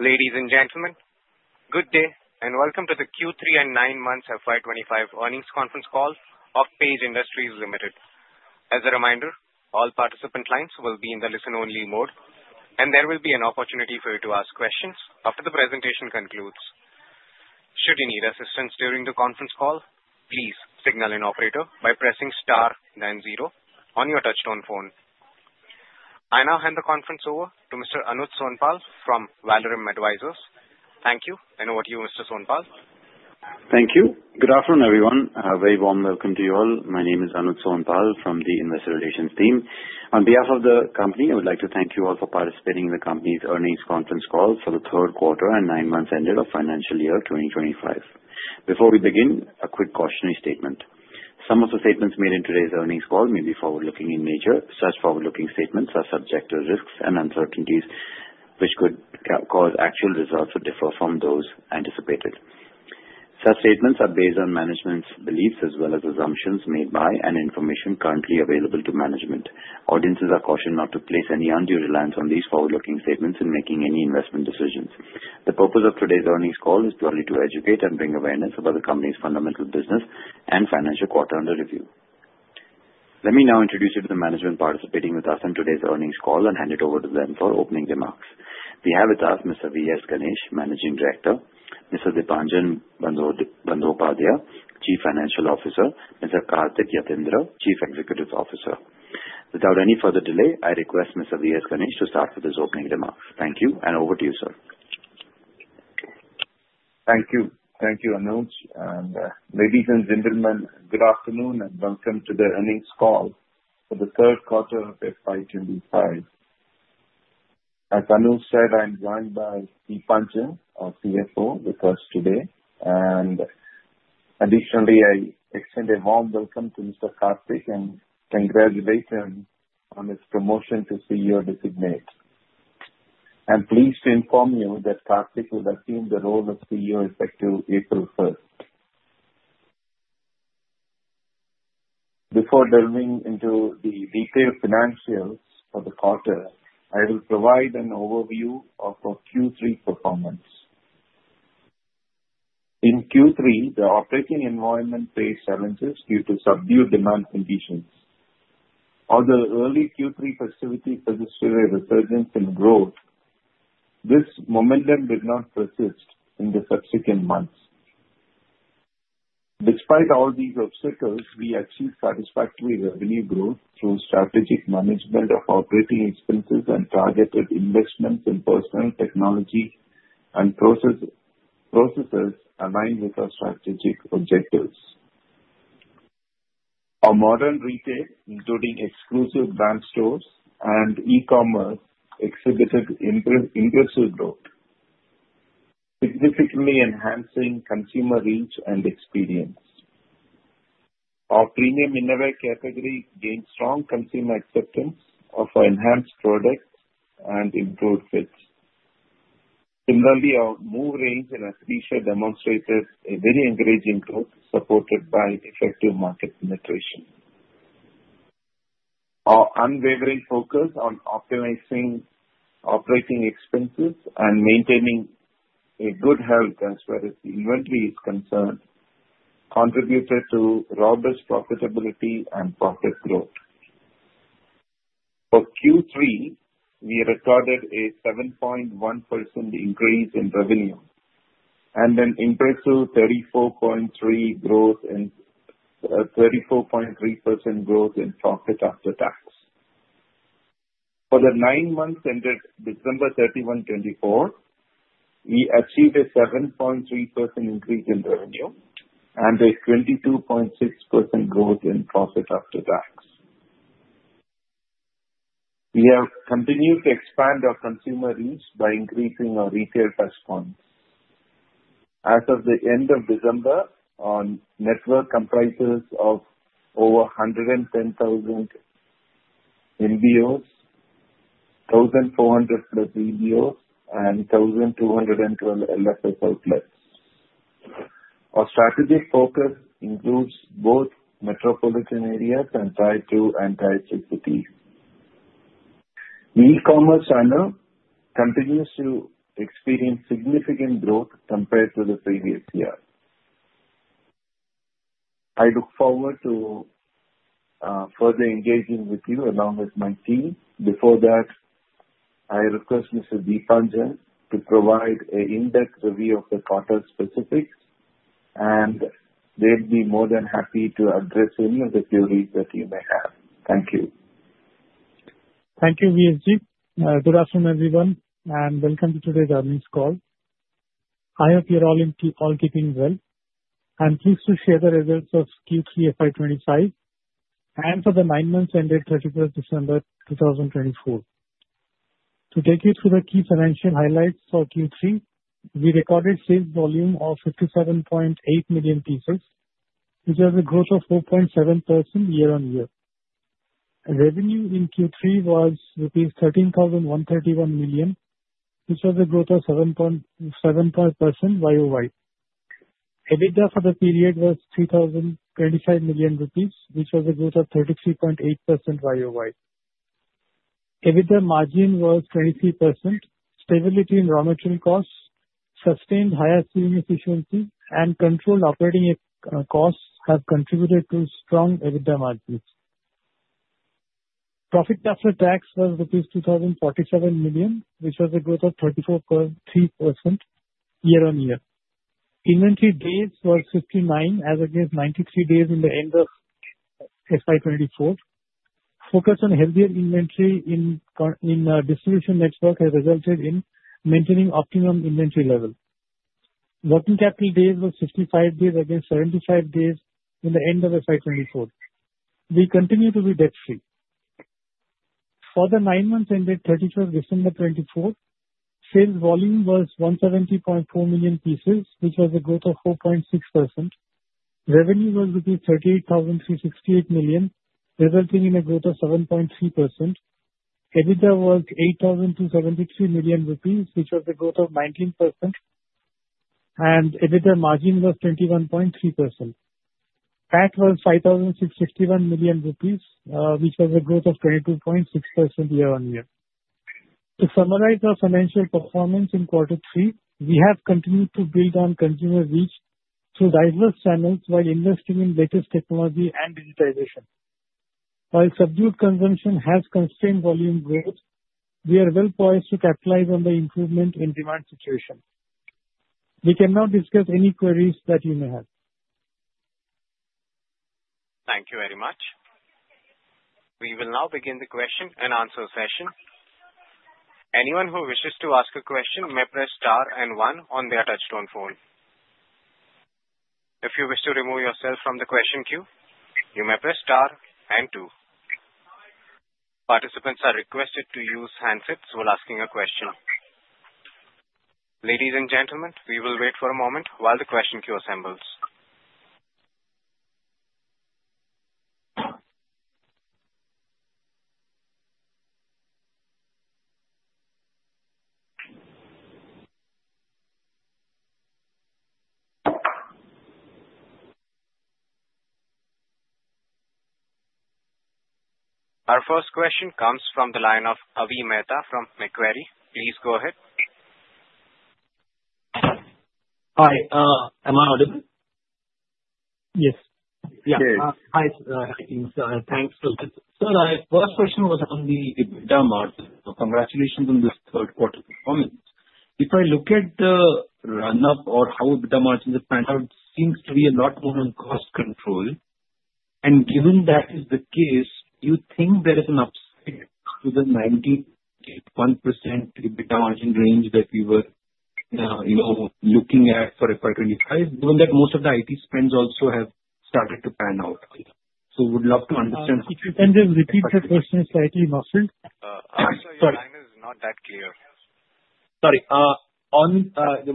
Ladies and gentlemen, good day and welcome to the Q3 and Nine Months of FY 2025 Earnings Conference Call of Page Industries Limited. As a reminder, all participant lines will be in the listen-only mode, and there will be an opportunity for you to ask questions after the presentation concludes. Should you need assistance during the conference call, please signal an operator by pressing star then zero on your touch-tone phone. I now hand the conference over to Mr. Anuj Sonpal from Valorem Advisors. Thank you, and over to you, Mr. Sonpal. Thank you. Good afternoon, everyone. A very warm welcome to you all. My name is Anuj Sonpal from the Investor Relations team. On behalf of the company, I would like to thank you all for participating in the company's earnings conference call for the third quarter and nine months ended of financial year 2025. Before we begin, a quick cautionary statement. Some of the statements made in today's earnings call may be forward-looking in nature. Such forward-looking statements are subject to risks and uncertainties, which could cause actual results to differ from those anticipated. Such statements are based on management's beliefs as well as assumptions made by and information currently available to management. Audiences are cautioned not to place any undue reliance on these forward-looking statements in making any investment decisions. The purpose of today's earnings call is purely to educate and bring awareness about the company's fundamental business and financial quarter under review. Let me now introduce you to the management participating with us in today's earnings call and hand it over to them for opening remarks. We have with us Mr. V.S. Ganesh, Managing Director. Mr. Deepanjan Bandyopadhyay, Chief Financial Officer. Mr. Karthik Yathindra, Chief Executive Officer. Without any further delay, I request Mr. V.S. Ganesh to start with his opening remarks. Thank you, and over to you, sir. Thank you. Thank you, Anuj. Ladies and gentlemen, good afternoon and welcome to the earnings call for the third quarter of FY2025. As Anuj said, I'm joined by Deepanjan, our CFO, with us today. Additionally, I extend a warm welcome to Mr. Karthik and congratulate him on his promotion to CEO designate. I'm pleased to inform you that Karthik will assume the role of CEO effective April 1st. Before delving into the detailed financials for the quarter, I will provide an overview of our Q3 performance. In Q3, the operating environment faced challenges due to subdued demand conditions. Although early Q3 facilitated resurgence in growth, this momentum did not persist in the subsequent months. Despite all these obstacles, we achieved satisfactory revenue growth through strategic management of operating expenses and targeted investments in personnel, technology and processes aligned with our strategic objectives. Our modern retail, including exclusive brand stores and e-commerce, exhibited impressive growth, significantly enhancing consumer reach and experience. Our premium innovation category gained strong consumer acceptance of our enhanced products and improved fits. Similarly, our Move range and athleisure demonstrated a very encouraging growth supported by effective market penetration. Our unwavering focus on optimizing operating expenses and maintaining a good health as far as inventory is concerned contributed to robust profitability and profit growth. For Q3, we recorded a 7.1% increase in revenue and an impressive 34.3% growth in profit after tax. For the nine months ended December 31, 2024, we achieved a 7.3% increase in revenue and a 22.6% growth in profit after tax. We have continued to expand our consumer reach by increasing our retail touchpoints. As of the end of December, our network comprises of over 110,000 MBOs, 1,400 plus EBOs, and 1,212 LFS outlets. Our strategic focus includes both metropolitan areas and Tier 2 cities. The e-commerce channel continues to experience significant growth compared to the previous year. I look forward to further engaging with you along with my team. Before that, I request Mr. Deepanjan to provide an in-depth review of the quarter specifics, and they'd be more than happy to address any of the queries that you may have. Thank you. Thank you, V.G. Good afternoon, everyone, and welcome to today's earnings call. I hope you're all keeping well. I'm pleased to share the results of Q3 FY25 and for the nine months ended 31st December 2024. To take you through the key financial highlights for Q3, we recorded sales volume of 57.8 million pieces, which was a growth of 4.7% year-on-year. Revenue in Q3 was rupees 13,131 million, which was a growth of 7.7% YOY. EBITDA for the period was 3,025 million rupees, which was a growth of 33.8% YOY. EBITDA margin was 23%. Stability in raw material costs, sustained high gross margin efficiency, and controlled operating costs have contributed to strong EBITDA margins. Profit after tax was rupees 2,047 million, which was a growth of 34.3% year-on-year. Inventory days were 59, as against 93 days at the end of FY24. Focus on healthier inventory in distribution network has resulted in maintaining optimum inventory level. Working capital days were 65 days against 75 days in the end of FY24. We continue to be debt-free. For the nine months ended 31st December 2024, sales volume was 170.4 million pieces, which was a growth of 4.6%. Revenue was 38,368 million, resulting in a growth of 7.3%. EBITDA was 8,273 million rupees, which was a growth of 19%, and EBITDA margin was 21.3%. PAT was 5,661 million rupees, which was a growth of 22.6% year-on-year. To summarize our financial performance in quarter three, we have continued to build on consumer reach through diverse channels while investing in latest technology and digitization. While subdued consumption has constrained volume growth, we are well poised to capitalize on the improvement in demand situation. We can now discuss any queries that you may have. Thank you very much. We will now begin the question and answer session. Anyone who wishes to ask a question may press star and one on their touch-tone phone. If you wish to remove yourself from the question queue, you may press star and two. Participants are requested to use handsets while asking a question. Ladies and gentlemen, we will wait for a moment while the question queue assembles. Our first question comes from the line of Avi Mehta from Macquarie. Please go ahead. Hi. Am I audible? Yes. Yes. Hi. Thanks. Sir, our first question was on the EBITDA margin. Congratulations on the third quarter performance. If I look at the run-up or how EBITDA margin is planned out, it seems to be a lot more on cost control. And given that is the case, do you think there is an upside to the 91% EBITDA margin range that we were looking at for FY2025, given that most of the IT spends also have started to pan out? So we'd love to understand. Can you repeat the question slightly, Marshal? Sorry. The line is not that clear. Sorry.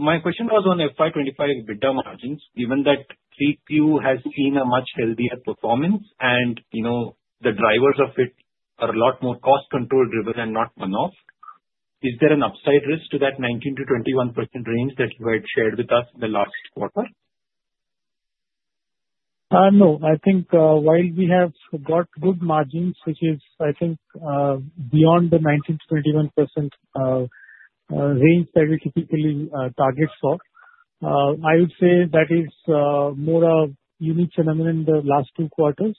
My question was on FY2025 EBITDA margins, given that three Q has seen a much healthier performance and the drivers of it are a lot more cost-control-driven and not one-off. Is there an upside risk to that 19%-21% range that you had shared with us in the last quarter? No. I think while we have got good margins, which is, I think, beyond the 19%-21% range that we typically target for, I would say that is more a unique phenomenon in the last two quarters.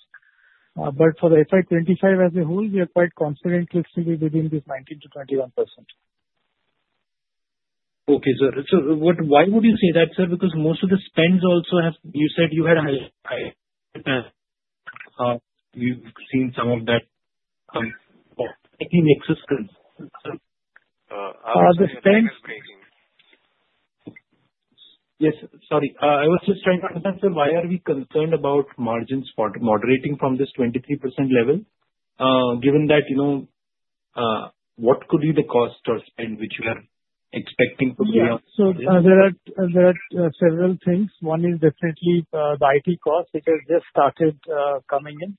But for the FY20225 as a whole, we are quite confident to still be within this 19%-21%. Okay, sir. So why would you say that, sir? Because most of the spends also have you said you had a higher? You've seen some of that in existence. Yes. Sorry. I was just trying to understand, sir, why are we concerned about margins moderating from this 23% level, given that what could be the cost or spend which we are expecting to be on? Yes. So there are several things. One is definitely the IT cost, which has just started coming in,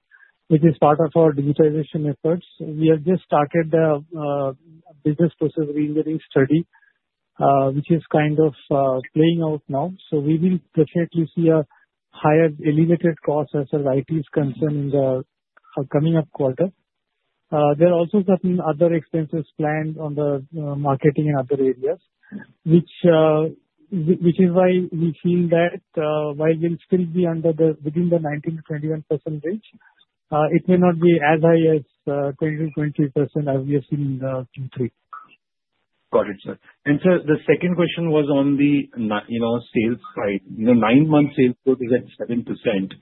which is part of our digitalization efforts. We have just started a business process reengineering study, which is kind of playing out now. So we will definitely see a higher elevated cost as far as IT is concerned in the coming up quarter. There are also some other expenses planned on the marketing and other areas, which is why we feel that while we'll still be within the 19%-21% range, it may not be as high as 20%-23% as we have seen in Q3. Got it, sir. And sir, the second question was on the sales side. Nine months sales growth is at 7%.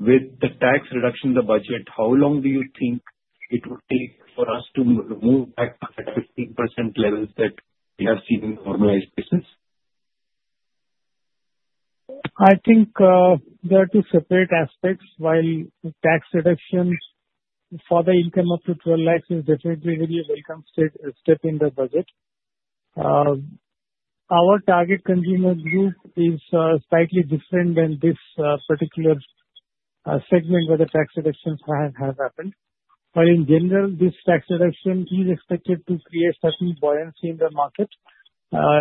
With the tax reduction in the budget, how long do you think it would take for us to move back to that 15% level that we have seen in normalized business? I think there are two separate aspects. While tax reductions for the income up to 12 lakhs is definitely a very welcome step in the budget, our target consumer group is slightly different than this particular segment where the tax reductions have happened. While in general, this tax reduction is expected to create certain buoyancy in the market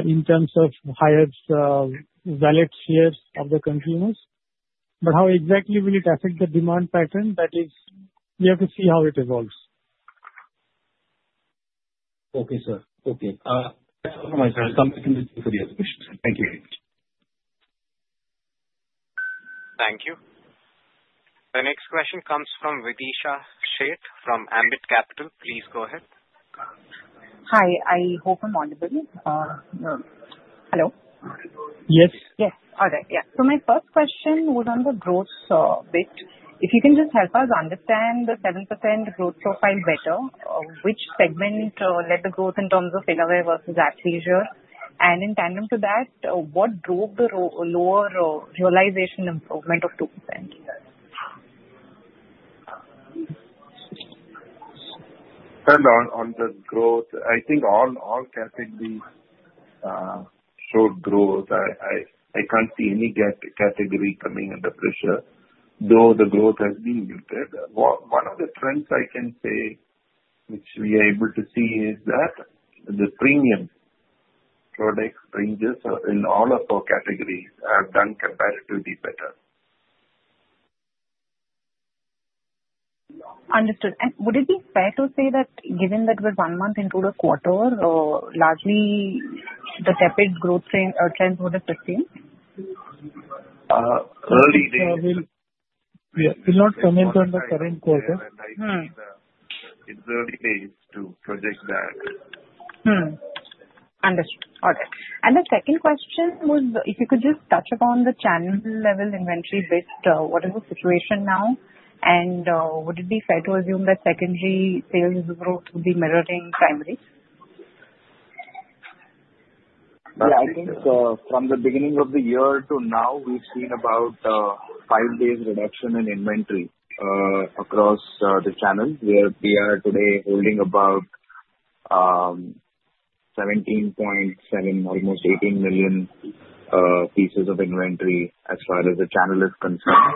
in terms of higher valued shares of the consumers. But how exactly will it affect the demand pattern? That is, we have to see how it evolves. Okay, sir. Okay. That's all from my side. Thank you. Thank you. The next question comes from Videesha Sheth from Ambit Capital. Please go ahead. Hi. I hope I'm audible. Hello. Yes. Yes. All right. Yeah. So my first question was on the growth bit. If you can just help us understand the 7% growth profile better, which segment led the growth in terms of innovate versus acquisition? And in tandem to that, what drove the lower realization improvement of 2%? Depending on the growth, I think all categories showed growth. I can't see any category coming under pressure, though the growth has been muted. One of the trends I can say, which we are able to see, is that the premium product ranges in all of our categories have done comparatively better. Understood. And would it be fair to say that given that we're one month into the quarter, largely the tepid growth trends would have sustained? Early days. We're not commenting on the current quarter. It's early days to project that. Understood. All right. And the second question was, if you could just touch upon the channel level inventory bit, what is the situation now? And would it be fair to assume that secondary sales growth would be mirroring primary? Yeah. I think from the beginning of the year to now, we've seen about five days reduction in inventory across the channel, where we are today holding about 17.7, almost 18 million pieces of inventory as far as the channel is concerned.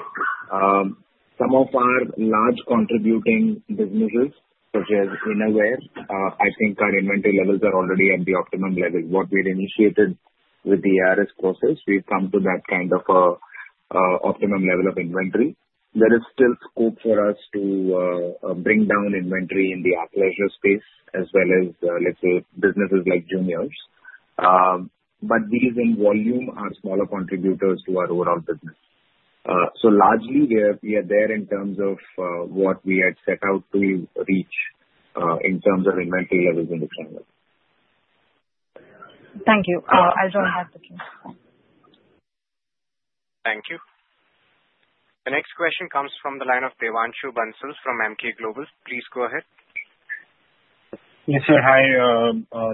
Some of our large contributing businesses, such as innerwear, I think our inventory levels are already at the optimum level. What we had initiated with the ARS process, we've come to that kind of optimum level of inventory. There is still scope for us to bring down inventory in the athleisure space, as well as, let's say, businesses like Juniors. But these in volume are smaller contributors to our overall business. So largely, we are there in terms of what we had set out to reach in terms of inventory levels in the channel. Thank you. I don't have the question. Thank you. The next question comes from the line of Devanshu Bansal from Emkay Global. Please go ahead. Yes, sir. Hi.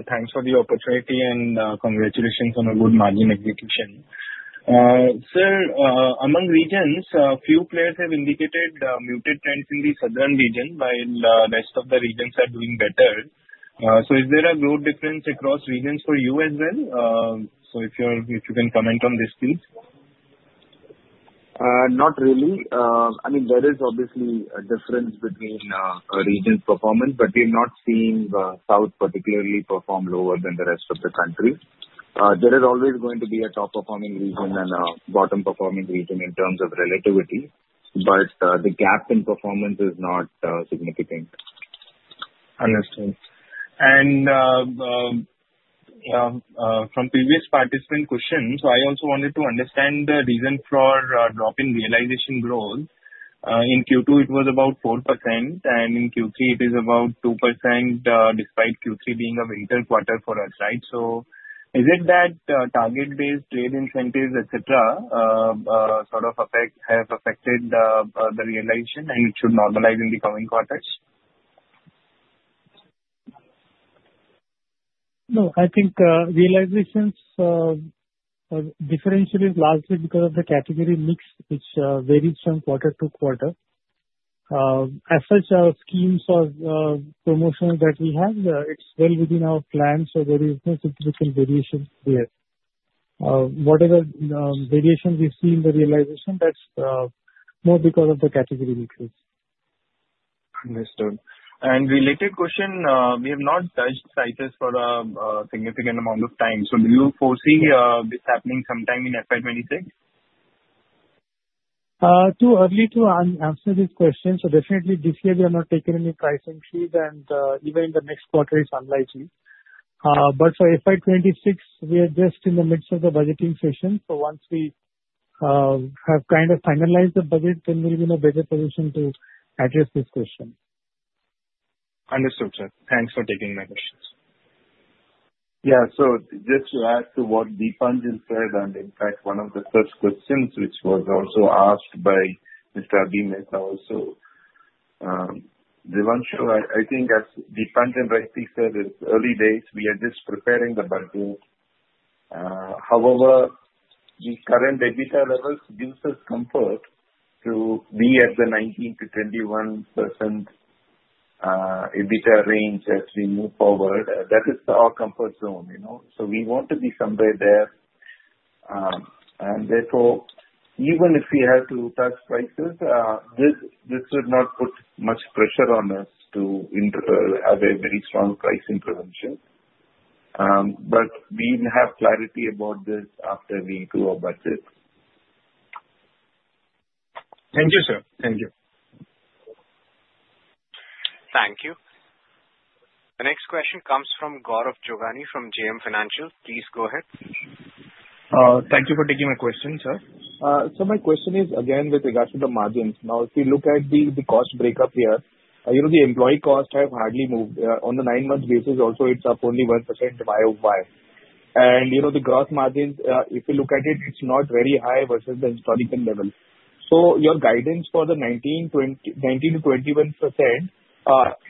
Thanks for the opportunity and congratulations on a good margin execution. Sir, among regions, a few players have indicated muted trends in the southern region, while the rest of the regions are doing better. So is there a growth difference across regions for you as well? So if you can comment on this, please. Not really. I mean, there is obviously a difference between regions' performance, but we have not seen South particularly perform lower than the rest of the country. There is always going to be a top-performing region and a bottom-performing region in terms of relativity, but the gap in performance is not significant. Understood. And from previous participant questions, I also wanted to understand the reason for drop in realization growth. In Q2, it was about 4%, and in Q3, it is about 2%, despite Q3 being a winter quarter for us, right? So is it that target-based trade incentives, etc., sort of have affected the realization, and it should normalize in the coming quarters? No. I think realizations differentiate largely because of the category mix, which varies from quarter to quarter. As such, our schemes of promotion that we have, it's well within our plan, so there is no significant variation there. Whatever variation we see in the realization, that's more because of the category mixes. Understood. And related question, we have not judged cycles for a significant amount of time. So do you foresee this happening sometime in FY2026? Too early to answer this question. So definitely, this year, we have not taken any price increase, and even in the next quarter, it's unlikely. But for FY2026, we are just in the midst of the budgeting session. So once we have kind of finalized the budget, then we'll be in a better position to address this question. Understood, sir. Thanks for taking my questions. Yeah. So just to add to what Deepanjan said, and in fact, one of the first questions, which was also asked by Mr. Avi Mehta also, Devanshu, I think as Deepanjan rightly said, it is early days. We are just preparing the budget. However, the current EBITDA levels give us comfort to be at the 19%-21% EBITDA range as we move forward. That is our comfort zone. So we want to be somewhere there. And therefore, even if we have to touch prices, this would not put much pressure on us to have a very strong pricing prevention. But we will have clarity about this after we do our budget. Thank you, sir. Thank you. Thank you. The next question comes from Gaurav Jogani from JM Financial. Please go ahead. Thank you for taking my question, sir. So my question is, again, with regards to the margins. Now, if you look at the cost breakup here, the employee cost has hardly moved. On the nine-month basis, also, it's up only 1% YOY. And the gross margins, if you look at it, it's not very high versus the historical level. So your guidance for the 19%-21%,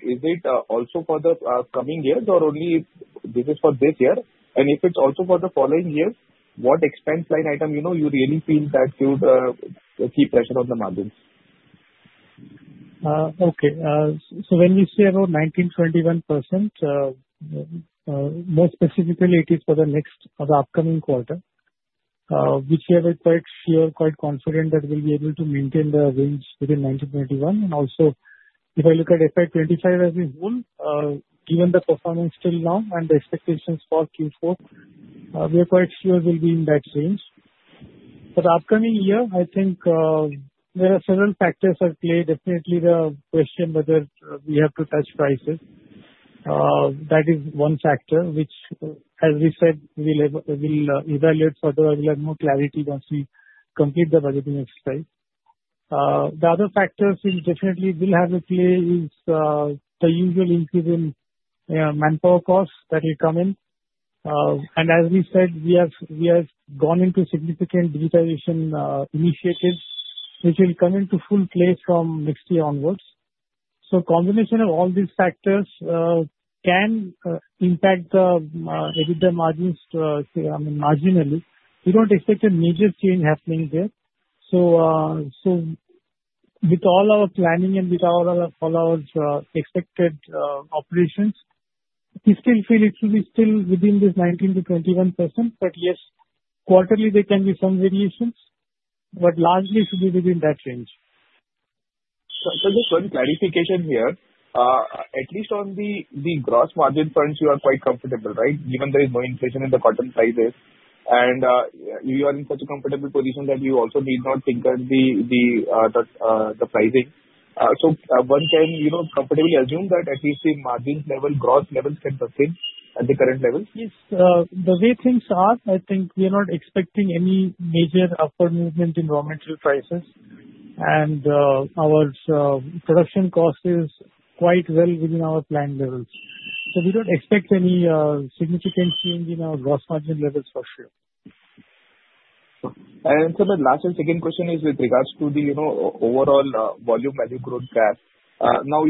is it also for the coming years or only this is for this year? And if it's also for the following years, what expense line item you really feel that you would keep pressure on the margins? Okay. So when we say about 19%-21%, more specifically, it is for the next upcoming quarter, which we are quite sure, quite confident that we'll be able to maintain the range within 19%-21%. And also, if I look at FY2025 as a whole, given the performance till now and the expectations for Q4, we are quite sure we'll be in that range. For the upcoming year, I think there are several factors at play. Definitely, the question whether we have to touch prices, that is one factor, which, as we said, we'll evaluate further. We'll have more clarity once we complete the budgeting exercise. The other factors we definitely will have a play is the usual increase in manpower costs that will come in. And as we said, we have gone into significant digitization initiatives, which will come into full play from next year onwards. Combination of all these factors can impact the EBITDA margins marginally. We don't expect a major change happening there. So with all our planning and with all our expected operations, we still feel it should be still within this 19%-21%. But yes, quarterly, there can be some variations, but largely it should be within that range. So just one clarification here. At least on the gross margin fronts, you are quite comfortable, right? Given there is no inflation in the cotton prices, and you are in such a comfortable position that you also need not tinker with the pricing. So one can comfortably assume that at least the margin level, gross levels can persist at the current levels? Yes. The way things are, I think we are not expecting any major upward movement in raw material prices, and our production cost is quite well within our planned levels. So we don't expect any significant change in our gross margin levels for sure. The last and second question is with regards to the overall volume value growth graph. Now,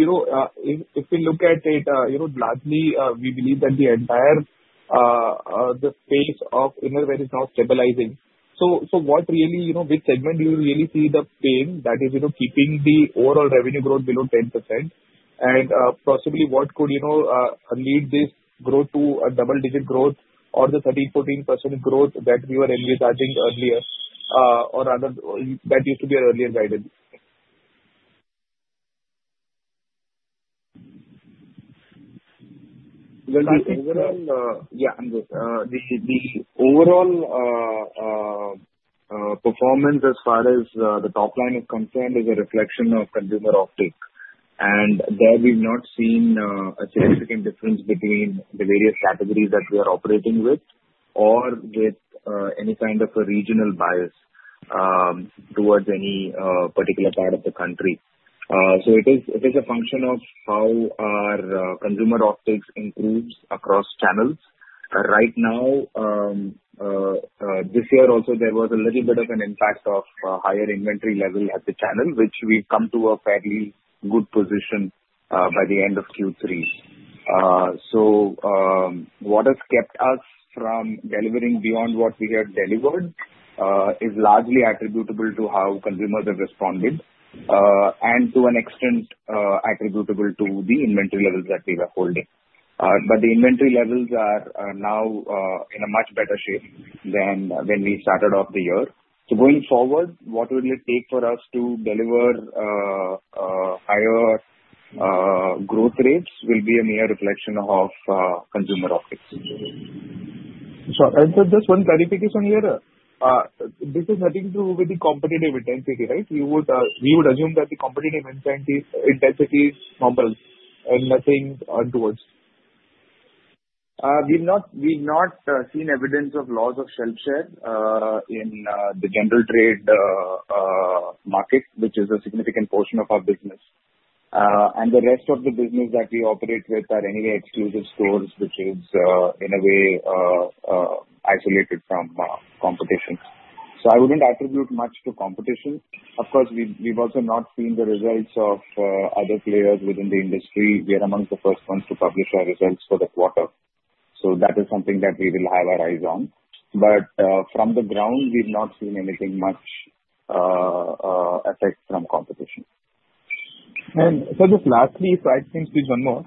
if we look at it, largely, we believe that the entire pace of innerwear is now stabilizing. So what really, which segment do you really see the pain that is keeping the overall revenue growth below 10%? And possibly, what could lead this growth to a double-digit growth or the 13%-14% growth that we were envisaging earlier or that used to be an earlier guidance? Yeah. The overall performance as far as the top line is concerned is a reflection of consumer uptake. There, we've not seen a significant difference between the various categories that we are operating with or with any kind of a regional bias towards any particular part of the country. It is a function of how our consumer uptake improves across channels. Right now, this year, also, there was a little bit of an impact of higher inventory level at the channel, which we've come to a fairly good position by the end of Q3. So what has kept us from delivering beyond what we have delivered is largely attributable to how consumers have responded and, to an extent, attributable to the inventory levels that we were holding. But the inventory levels are now in a much better shape than when we started off the year. So going forward, what will it take for us to deliver higher growth rates will be a near reflection of consumer uptake. So just one clarification here. This is having to do with the competitive intensity, right? We would assume that the competitive intensity is normal and nothing untoward. We've not seen evidence of loss of shelf share in the general trade market, which is a significant portion of our business, and the rest of the business that we operate with are anyway exclusive stores, which is, in a way, isolated from competition, so I wouldn't attribute much to competition. Of course, we've also not seen the results of other players within the industry. We are among the first ones to publish our results for the quarter, so that is something that we will have our eyes on, but from the ground, we've not seen anything much effect from competition. And so just lastly, if I can switch one more,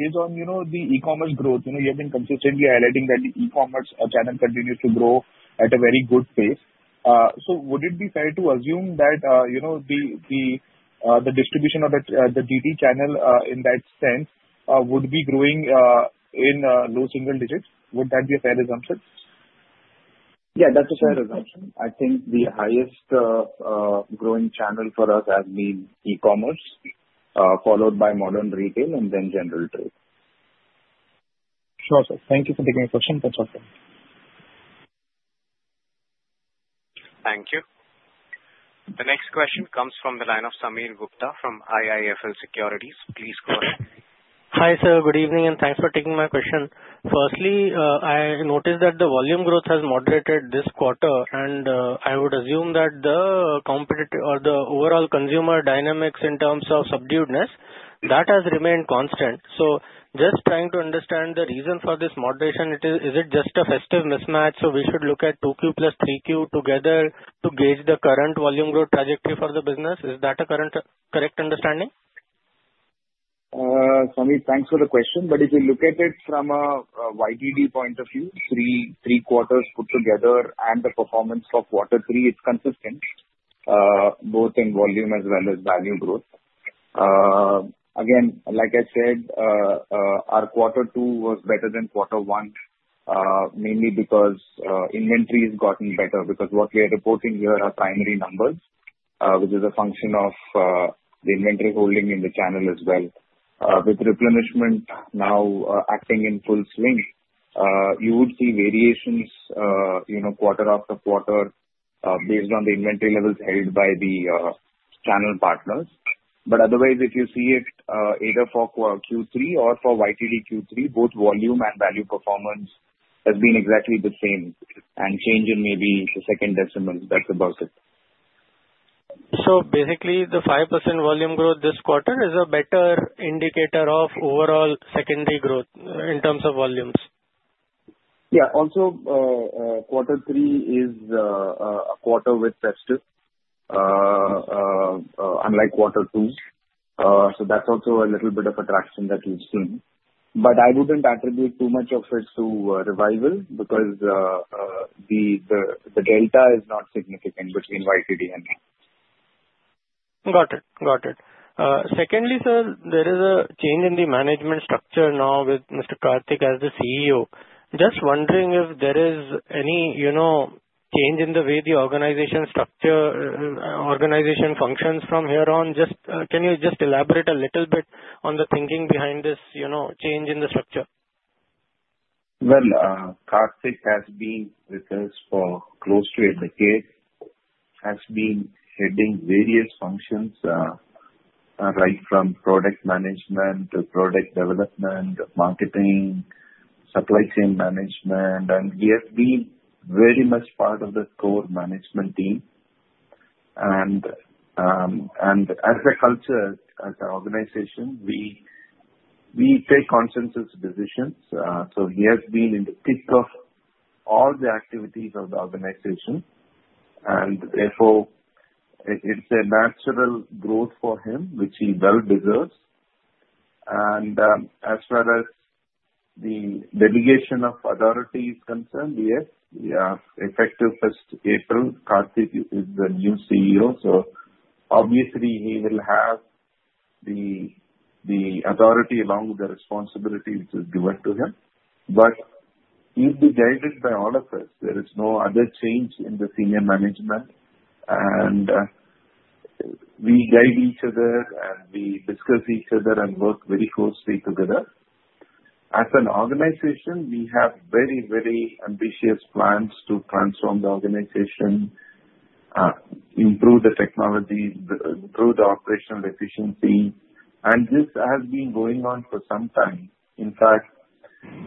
is on the e-commerce growth. You have been consistently highlighting that the e-commerce channel continues to grow at a very good pace. So would it be fair to assume that the distribution of the DT channel in that sense would be growing in low single digits? Would that be a fair assumption? Yeah, that's a fair assumption. I think the highest growing channel for us has been e-commerce, followed by modern retail and then general trade. Sure, sir. Thank you for taking my question. That's all. Thank you. The next question comes from the line of Sameer Gupta from IIFL Securities. Please go ahead. Hi, sir. Good evening, and thanks for taking my question. Firstly, I noticed that the volume growth has moderated this quarter, and I would assume that the overall consumer dynamics in terms of subduedness, that has remained constant. So just trying to understand the reason for this moderation, is it just a festive mismatch? So we should look at 2Q plus 3Q together to gauge the current volume growth trajectory for the business. Is that a correct understanding? Sameer, thanks for the question. But if you look at it from a YTD point of view, three quarters put together and the performance for quarter three, it's consistent, both in volume as well as value growth. Again, like I said, our quarter two was better than quarter one, mainly because inventory has gotten better. Because what we are reporting here are primary numbers, which is a function of the inventory holding in the channel as well. With replenishment now acting in full swing, you would see variations quarter after quarter based on the inventory levels held by the channel partners. But otherwise, if you see it either for Q3 or for YTD Q3, both volume and value performance has been exactly the same, and change in maybe the second decimal. That's about it. So basically, the 5% volume growth this quarter is a better indicator of overall secondary growth in terms of volumes? Yeah. Also, quarter three is a quarter with festive, unlike quarter two. So that's also a little bit of a traction that we've seen. But I wouldn't attribute too much of it to revival because the delta is not significant between YTD and now. Got it. Got it. Secondly, sir, there is a change in the management structure now with Mr. Karthik as the CEO. Just wondering if there is any change in the way the organization functions from here on. Can you just elaborate a little bit on the thinking behind this change in the structure? Karthik has been with us for close to a decade, has been heading various functions, right from product management to product development, marketing, supply chain management. And he has been very much part of the core management team. And as a culture, as an organization, we take consensus decisions. So he has been in the thick of all the activities of the organization. And therefore, it's a natural growth for him, which he well deserves. And as far as the delegation of authority is concerned, yes, we are effective 1st April. Karthik is the new CEO. So obviously, he will have the authority along with the responsibility which was given to him. But he's been guided by all of us. There is no other change in the senior management. And we guide each other, and we discuss each other, and work very closely together. As an organization, we have very, very ambitious plans to transform the organization, improve the technology, improve the operational efficiency. And this has been going on for some time. In fact,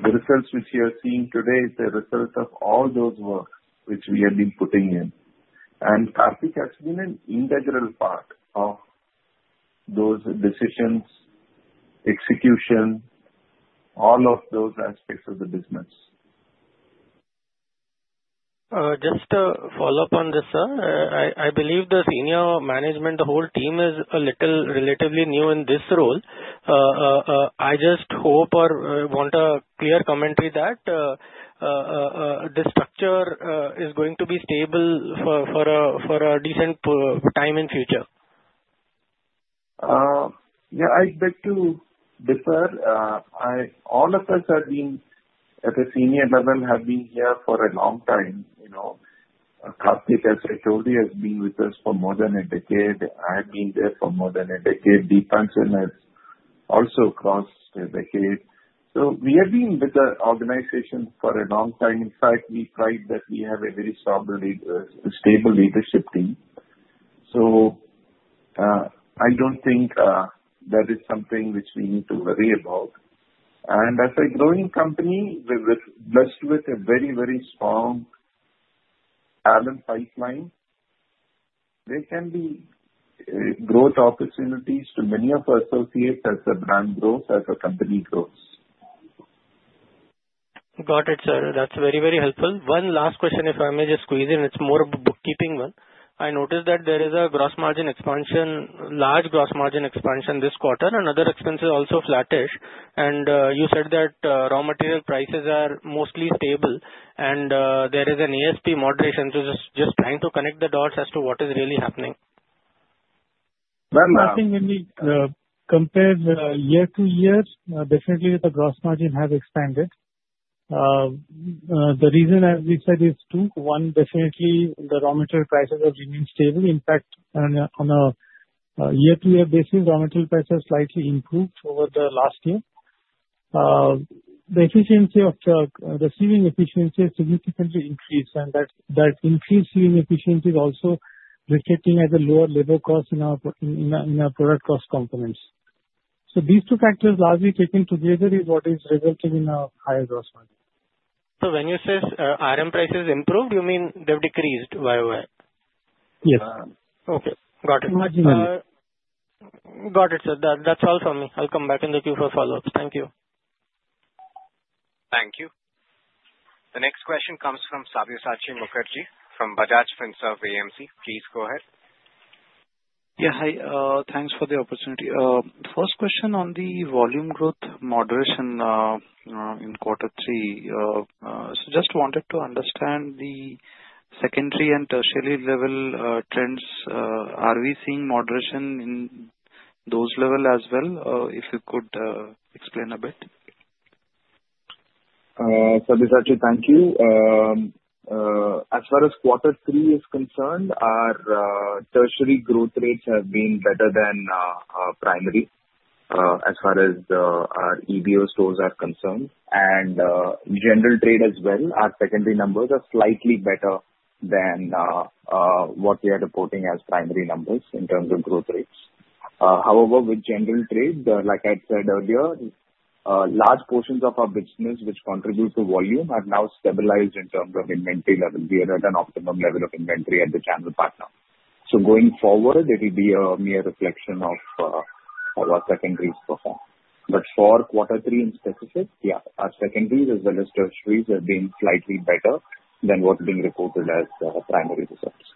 the results which you are seeing today is the result of all those works which we have been putting in. And Karthik has been an integral part of those decisions, execution, all of those aspects of the business. Just to follow up on this, sir, I believe the senior management, the whole team is a little relatively new in this role. I just hope or want a clear commentary that the structure is going to be stable for a decent time in the future. Yeah, I'd like to differ. All of us have been at the senior level have been here for a long time. Karthik, as I told you, has been with us for more than a decade. I have been there for more than a decade. Deepanjan has also crossed a decade. So we have been with the organization for a long time. In fact, we pride that we have a very stable leadership team. So I don't think that is something which we need to worry about. And as a growing company blessed with a very, very strong talent pipeline, there can be growth opportunities to many of our associates as the brand grows, as the company grows. Got it, sir. That's very, very helpful. One last question, if I may just squeeze in. It's more of a bookkeeping one. I noticed that there is a large gross margin expansion this quarter. And other expenses are also flattish. And you said that raw material prices are mostly stable. And there is an ASP moderation. So just trying to connect the dots as to what is really happening. Nothing really compared year to year. Definitely, the gross margin has expanded. The reason, as we said, is two. One, definitely, the raw material prices have remained stable. In fact, on a year-to-year basis, raw material prices have slightly improved over the last year. The efficiency of receiving efficiency has significantly increased. And that increase in efficiency is also reflecting at the lower labor cost in our product cost components. These two factors largely taken together is what is resulting in a higher gross margin. So when you say RM prices improved, you mean they've decreased by a way? Yes. Okay. Got it. Marginal. Got it, sir. That's all from me. I'll come back in the queue for follow-ups. Thank you. Thank you. The next question comes from Sabyasachi Mukherjee from Bajaj Finserv Asset Management. Please go ahead. Yeah. Hi. Thanks for the opportunity. First question on the volume growth moderation in quarter three. So just wanted to understand the secondary and tertiary level trends. Are we seeing moderation in those levels as well? If you could explain a bit. Sabyasachi Mukerji, thank you. As far as quarter three is concerned, our tertiary growth rates have been better than primary as far as our EBO stores are concerned, and general trade as well, our secondary numbers are slightly better than what we are reporting as primary numbers in terms of growth rates. However, with general trade, like I had said earlier, large portions of our business which contribute to volume have now stabilized in terms of inventory level. We are at an optimum level of inventory at the channel partner, so going forward, it will be a mere reflection of how our secondaries perform, but for quarter three in specific, yeah, our secondaries as well as tertiaries have been slightly better than what's being reported as primary results.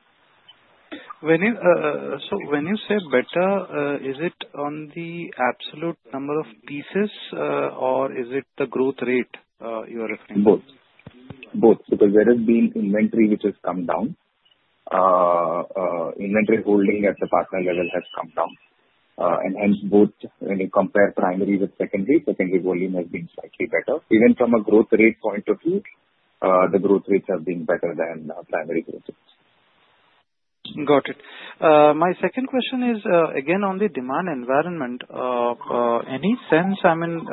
So when you say better, is it on the absolute number of pieces, or is it the growth rate you are referring to? Both. Both. Because there has been inventory which has come down. Inventory holding at the partner level has come down. And hence, both when you compare primary with secondary, secondary volume has been slightly better. Even from a growth rate point of view, the growth rates have been better than primary growth rates. Got it. My second question is, again, on the demand environment, any sense? I mean,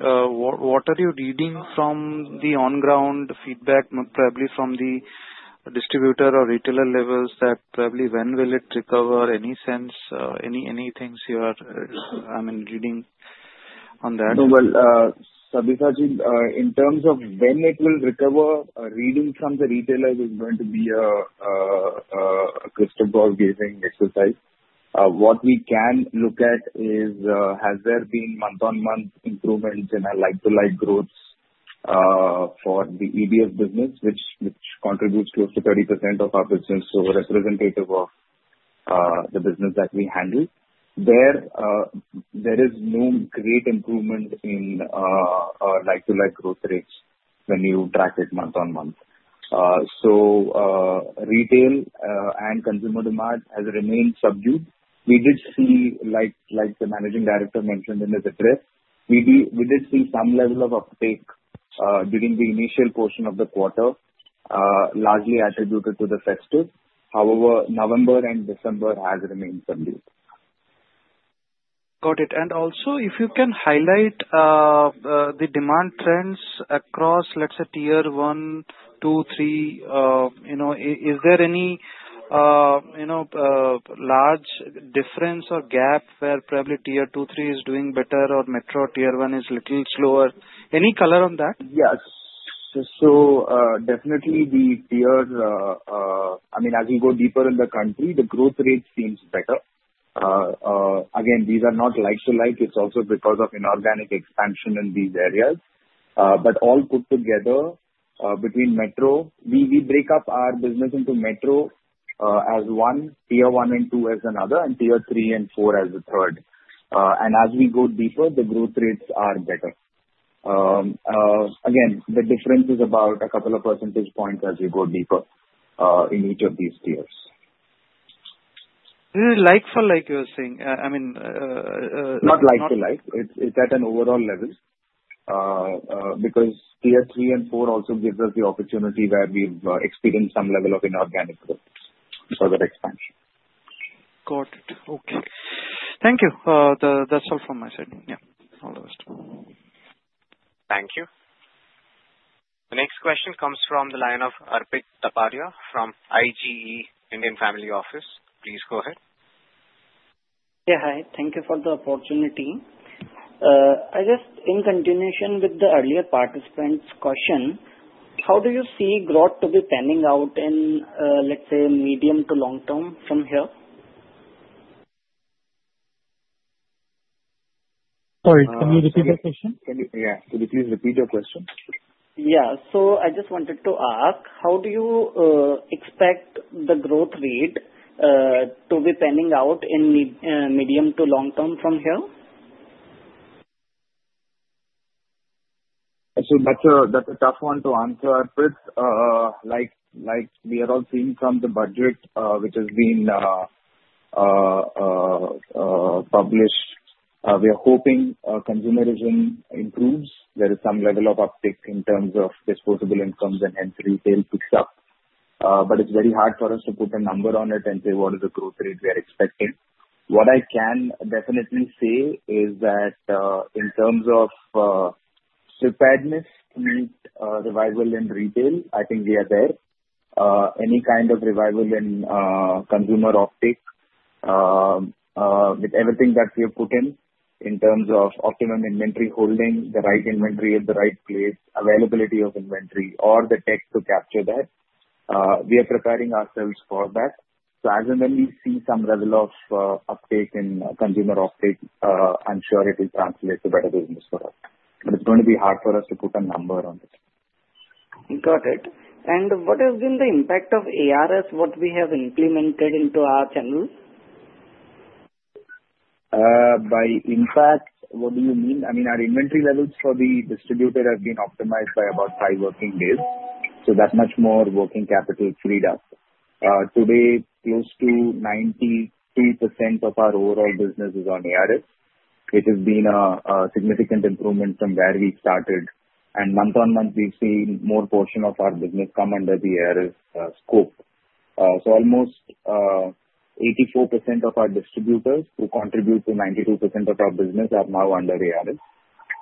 what are you reading from the on-ground feedback, probably from the distributor or retailer levels that probably when will it recover? Any sense? Any things you are reading on that? Sabyasachi, in terms of when it will recover, reading from the retailers is going to be a crystal ball gazing exercise. What we can look at is, has there been month-on-month improvements in our like-for-like growth for the EBO business, which contributes close to 30% of our business, so representative of the business that we handle. There is no great improvement in like-for-like growth rates when you track it month-on-month. So retail and consumer demand has remained subdued. We did see, like the managing director mentioned in his address, we did see some level of uptake during the initial portion of the quarter, largely attributed to the festive. However, November and December have remained subdued. Got it. And also, if you can highlight the demand trends across, let's say, tier one, two, three, is there any large difference or gap where probably tier two, three is doing better or metro tier one is a little slower? Any color on that? Yes, so definitely, the tier, I mean, as we go deeper in the country, the growth rate seems better. Again, these are not like-to-like. It's also because of inorganic expansion in these areas. But all put together between metro, we break up our business into metro as one, tier one and two as another, and tier three and four as the third. And as we go deeper, the growth rates are better. Again, the difference is about a couple of percentage points as we go deeper in each of these tiers. Like-to-like, you are saying? I mean. Not like-to-like. It's at an overall level. Because tier three and four also gives us the opportunity where we've experienced some level of inorganic growth for the expansion. Got it. Okay. Thank you. That's all from my side. Yeah. All the rest. Thank you. The next question comes from the line of Arpit Tapadia from IGE Family Office. Please go ahead. Yeah. Hi. Thank you for the opportunity. I guess in continuation with the earlier participant's question, how do you see growth to be panning out in, let's say, medium to long term from here? Sorry. Can you repeat the question? Yeah. Could you please repeat your question? Yeah, so I just wanted to ask, how do you expect the growth rate to be panning out in medium to long term from here? So that's a tough one to answer, Arpit. Like we are all seeing from the budget which has been published, we are hoping consumerism improves. There is some level of uptake in terms of disposable incomes, and hence retail picks up. But it's very hard for us to put a number on it and say what is the growth rate we are expecting. What I can definitely say is that in terms of preparedness to meet revival in retail, I think we are there. Any kind of revival in consumer uptake, with everything that we have put in in terms of optimum inventory holding, the right inventory at the right place, availability of inventory, or the tech to capture that, we are preparing ourselves for that. So as and when we see some level of uptake in consumer uptake, I'm sure it will translate to better business for us. But it's going to be hard for us to put a number on it. Got it. And what has been the impact of ARS, what we have implemented into our channels? By impact, what do you mean? I mean, our inventory levels for the distributor have been optimized by about five working days. So that's much more working capital freed up. Today, close to 93% of our overall business is on ARS, which has been a significant improvement from where we started. And month-on-month, we've seen more portion of our business come under the ARS scope. So almost 84% of our distributors who contribute to 92% of our business are now under ARS.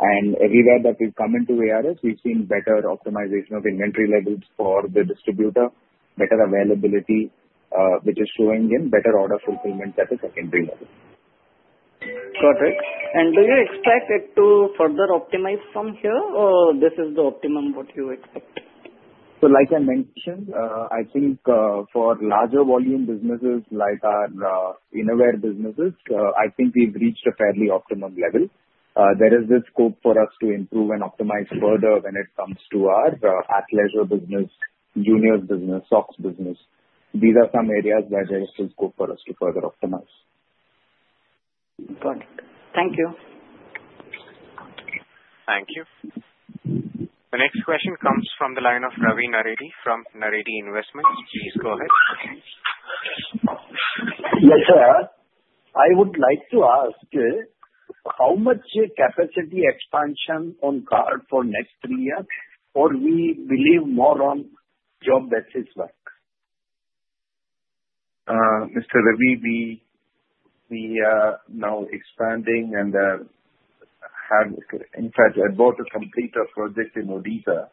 And everywhere that we've come into ARS, we've seen better optimization of inventory levels for the distributor, better availability, which is showing in better order fulfillment at the secondary level. Got it. And do you expect it to further optimize from here, or this is the optimum what you expect? So like I mentioned, I think for larger volume businesses like our innerwear businesses, I think we've reached a fairly optimum level. There is this scope for us to improve and optimize further when it comes to our athleisure business, juniors business, socks business. These are some areas where there is still scope for us to further optimize. Got it. Thank you. Thank you. The next question comes from the line of Ravi Naredi from Naredi Investments. Please go ahead. Yes, sir. I would like to ask, how much capacity expansion ongoing for next three years, or we believe more on job-basis work? Mr. Ravi, we are now expanding and have, in fact, bought a complete project in Odisha,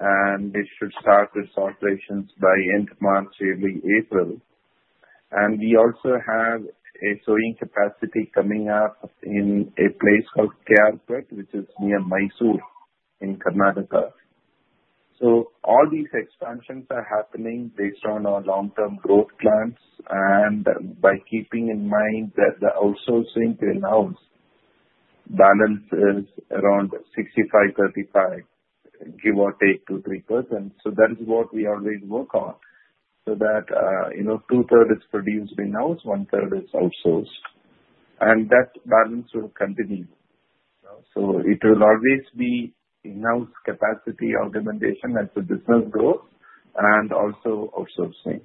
and it should start with operations by end of March, early April. And we also have a sewing capacity coming up in a place called K.R. Pete, which is near Mysore in Karnataka. So all these expansions are happening based on our long-term growth plans and by keeping in mind that the outsourcing to in-house balance is around 65-35, give or take 2%-3%. So that is what we always work on. So that two-thirds is produced in-house, one-third is outsourced. And that balance will continue. So it will always be in-house capacity augmentation as the business grows and also outsourcing.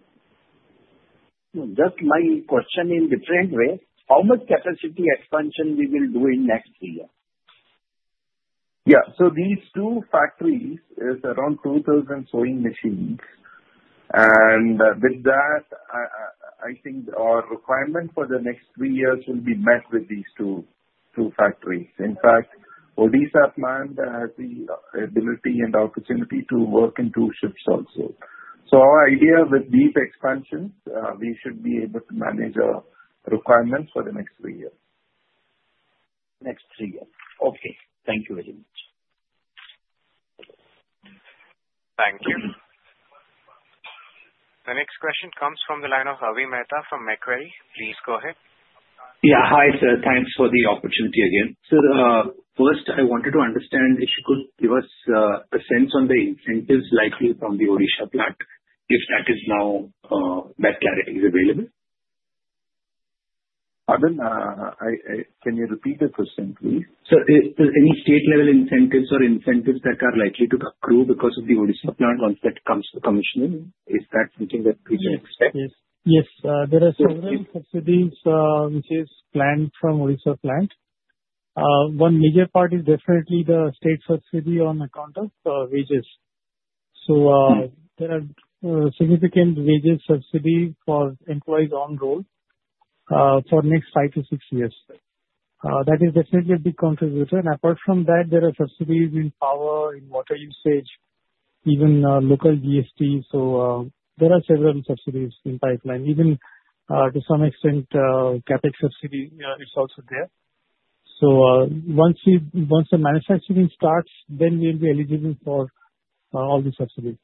Just my question in different ways. How much capacity expansion will we do in next three years? Yeah. So these two factories are around 2,000 sewing machines. And with that, I think our requirement for the next three years will be met with these two factories. In fact, Odisha has the ability and opportunity to work in two shifts also. So our idea with these expansions, we should be able to manage our requirements for the next three years. Next three years. Okay. Thank you very much. Thank you. The next question comes from the line of Avi Mehta from Macquarie. Please go ahead. Yeah. Hi, sir. Thanks for the opportunity again. So first, I wanted to understand if you could give us a sense on the incentives likely from the Odisha plant, if that is now that clarity is available. Avi, can you repeat the question, please? So any state-level incentives or incentives that are likely to accrue because of the Odisha plant once that comes to commissioning? Is that something that we should expect? Yes. There are several subsidies which are planned from Odisha plant. One major part is definitely the state subsidy on account of wages. So there are significant wages subsidies for employees on roll for the next five to six years. That is definitely a big contributor. And apart from that, there are subsidies in power, in water usage, even local GST. So there are several subsidies in pipeline. Even to some extent, CAPEX subsidy, it's also there. So once the manufacturing starts, then we'll be eligible for all the subsidies.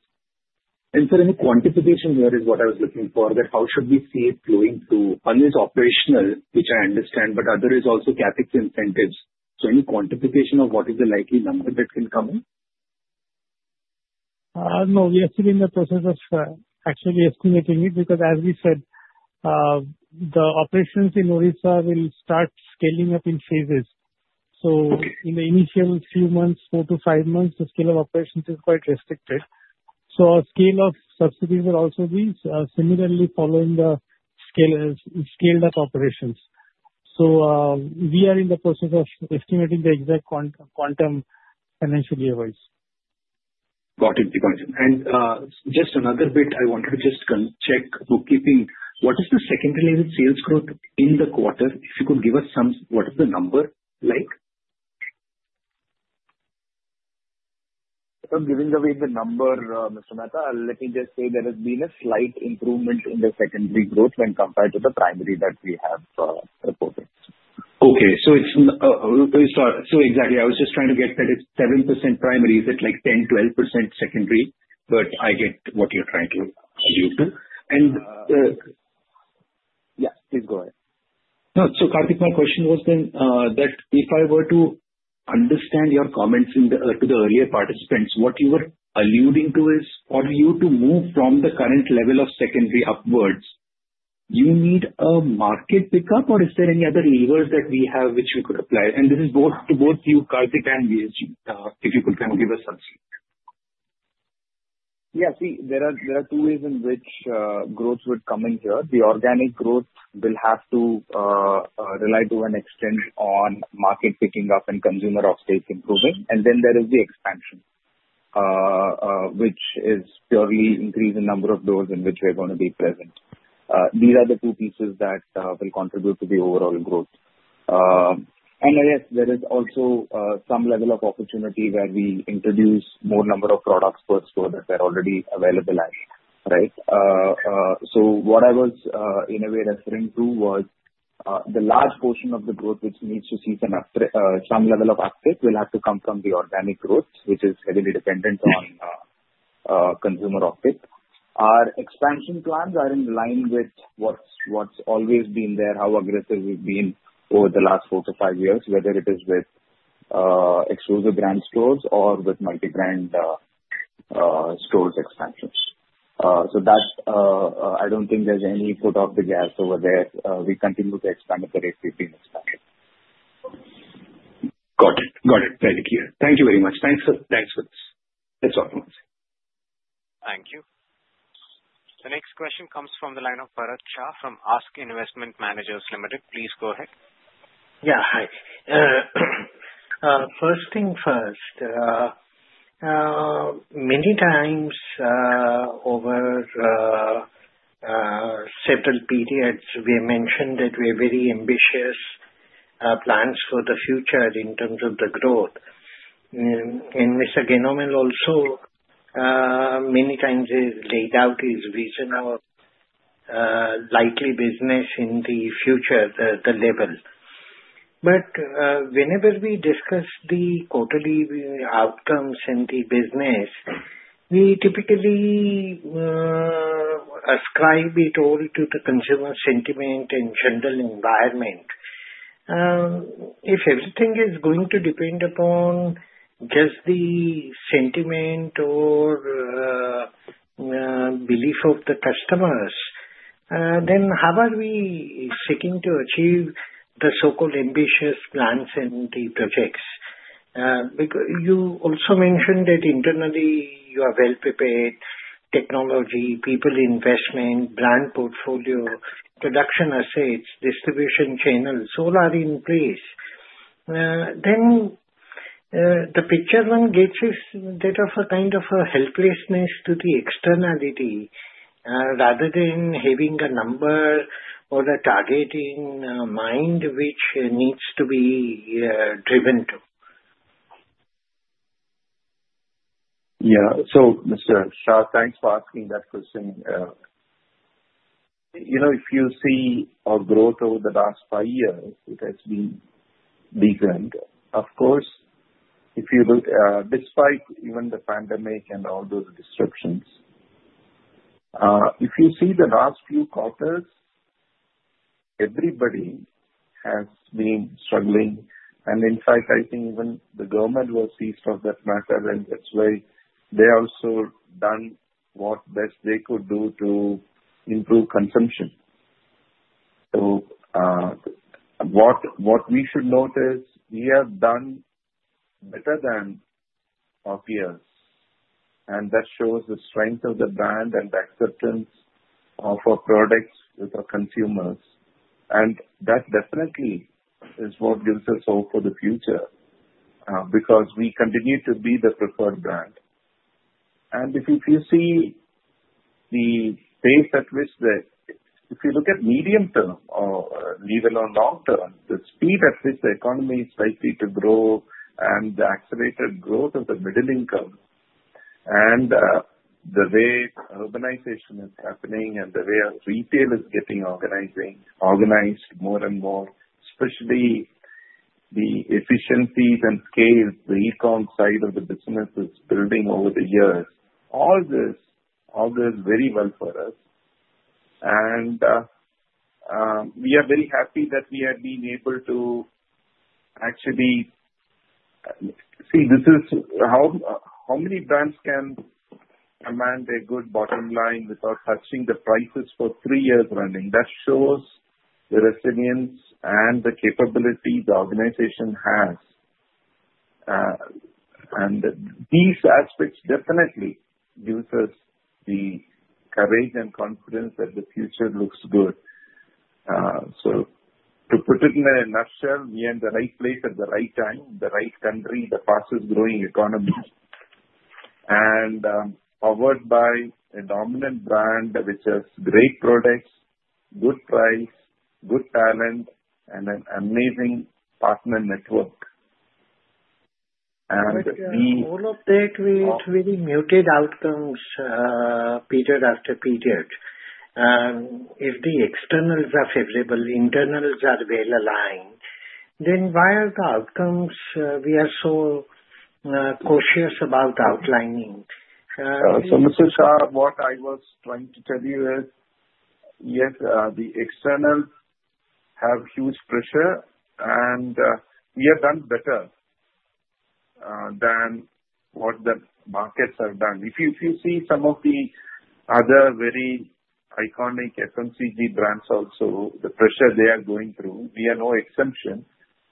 And sir, any quantification here is what I was looking for, that how should we see it flowing through? One is operational, which I understand, but other is also CAPEX incentives. So any quantification of what is the likely number that can come in? No. We are still in the process of actually estimating it because, as we said, the operations in Odisha will start scaling up in phases. So in the initial few months, four to five months, the scale of operations is quite restricted. So our scale of subsidies will also be similarly following the scaled-up operations. So we are in the process of estimating the exact quantum. Financially awaits. Got it. And just another bit, I wanted to just check bookkeeping. What is the secondary sales growth in the quarter? If you could give us some, what is the number like? I'm giving away the number, Mr. Mehta. Let me just say there has been a slight improvement in the secondary growth when compared to the primary that we have reported. Okay. So exactly. I was just trying to get that it's 7% primary. Is it like 10%-12% secondary? But I get what you're trying to allude to. And. Yes. Please go ahead. No. So, Karthik, my question was then that if I were to understand your comments to the earlier participants, what you were alluding to is for you to move from the current level of secondary upwards, you need a market pickup, or is there any other levers that we have which we could apply? This is both to you, Karthik, and you, if you could kind of give us some color. Yeah. See, there are two ways in which growth would come in here. The organic growth will have to rely to an extent on market picking up and consumer uptake improving. And then there is the expansion, which is purely increase in number of doors in which we're going to be present. These are the two pieces that will contribute to the overall growth. And yes, there is also some level of opportunity where we introduce more number of products first that are already available, right? So what I was, in a way, referring to was the large portion of the growth which needs to see some level of uptake will have to come from the organic growth, which is heavily dependent on consumer uptake. Our expansion plans are in line with what's always been there, how aggressive we've been over the last four to five years, whether it is with exclusive brand stores or with multi-brand stores expansions, so I don't think there's any foot off the gas over there. We continue to expand at the rate we've been expanding. Got it. Got it. Very clear. Thank you very much. Thanks for this. That's all from us. Thank you. The next question comes from the line of Bharat Shah from ASK Investment Managers Limited. Please go ahead. Yeah. Hi. First thing first, many times over several periods, we have mentioned that we have very ambitious plans for the future in terms of the growth. And Mr. Genomal also many times has laid out his vision of likely business in the future, the level. But whenever we discuss the quarterly outcomes in the business, we typically ascribe it all to the consumer sentiment and general environment. If everything is going to depend upon just the sentiment or belief of the customers, then how are we seeking to achieve the so-called ambitious plans and the projects? You also mentioned that internally, you are well-prepared, technology, people investment, brand portfolio, production assets, distribution channels, all are in place. Then the picture one gets is that of a kind of helplessness to the externality rather than having a number or a target in mind which needs to be driven to. Yeah. So Mr. Shah, thanks for asking that question. If you see our growth over the last five years, it has been decent. Of course, despite even the pandemic and all those restrictions, if you see the last few quarters, everybody has been struggling. And in fact, I think even the government was seized of that matter, and that's why they also done what best they could do to improve consumption. So what we should note is we have done better than our peers. And that shows the strength of the brand and the acceptance of our products with our consumers. And that definitely is what gives us hope for the future because we continue to be the preferred brand. And if you see the pace at which, if you look at medium term or leave it on long term, the speed at which the economy is likely to grow and the accelerated growth of the middle income and the way urbanization is happening and the way retail is getting organized more and more, especially the efficiencies and scale, the e-com side of the business is building over the years, all this very well for us. And we are very happy that we have been able to actually see how many brands can command a good bottom line without touching the prices for three years running. That shows the resilience and the capability the organization has. And these aspects definitely give us the courage and confidence that the future looks good. So to put it in a nutshell, we are in the right place at the right time, the right country, the fastest growing economy, and powered by a dominant brand which has great products, good price, good talent, and an amazing partner network. And we. All of that will really mature outcomes period after period. If the externals are favorable, internals are well aligned, then why are the outcomes we are so cautious about outlining? So Mr. Shah, what I was trying to tell you is, yes, the externals have huge pressure, and we have done better than what the markets have done. If you see some of the other very iconic FMCG brands also, the pressure they are going through, we are no exception.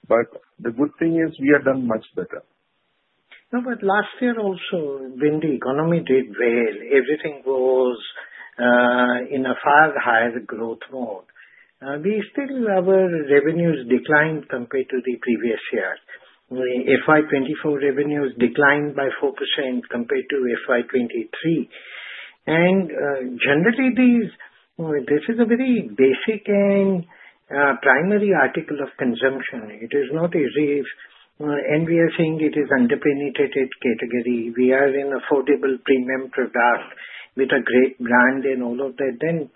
But the good thing is we have done much better. No, but last year also, when the economy did well, everything was in a far higher growth mode. We still have our revenues declined compared to the previous year. FY2024 revenues declined by 4% compared to FY2023. And generally, this is a very basic and primary article of consumption. It is not as if anyone is saying it is underprioritized category. We are in affordable premium products with a great brand and all of that. Then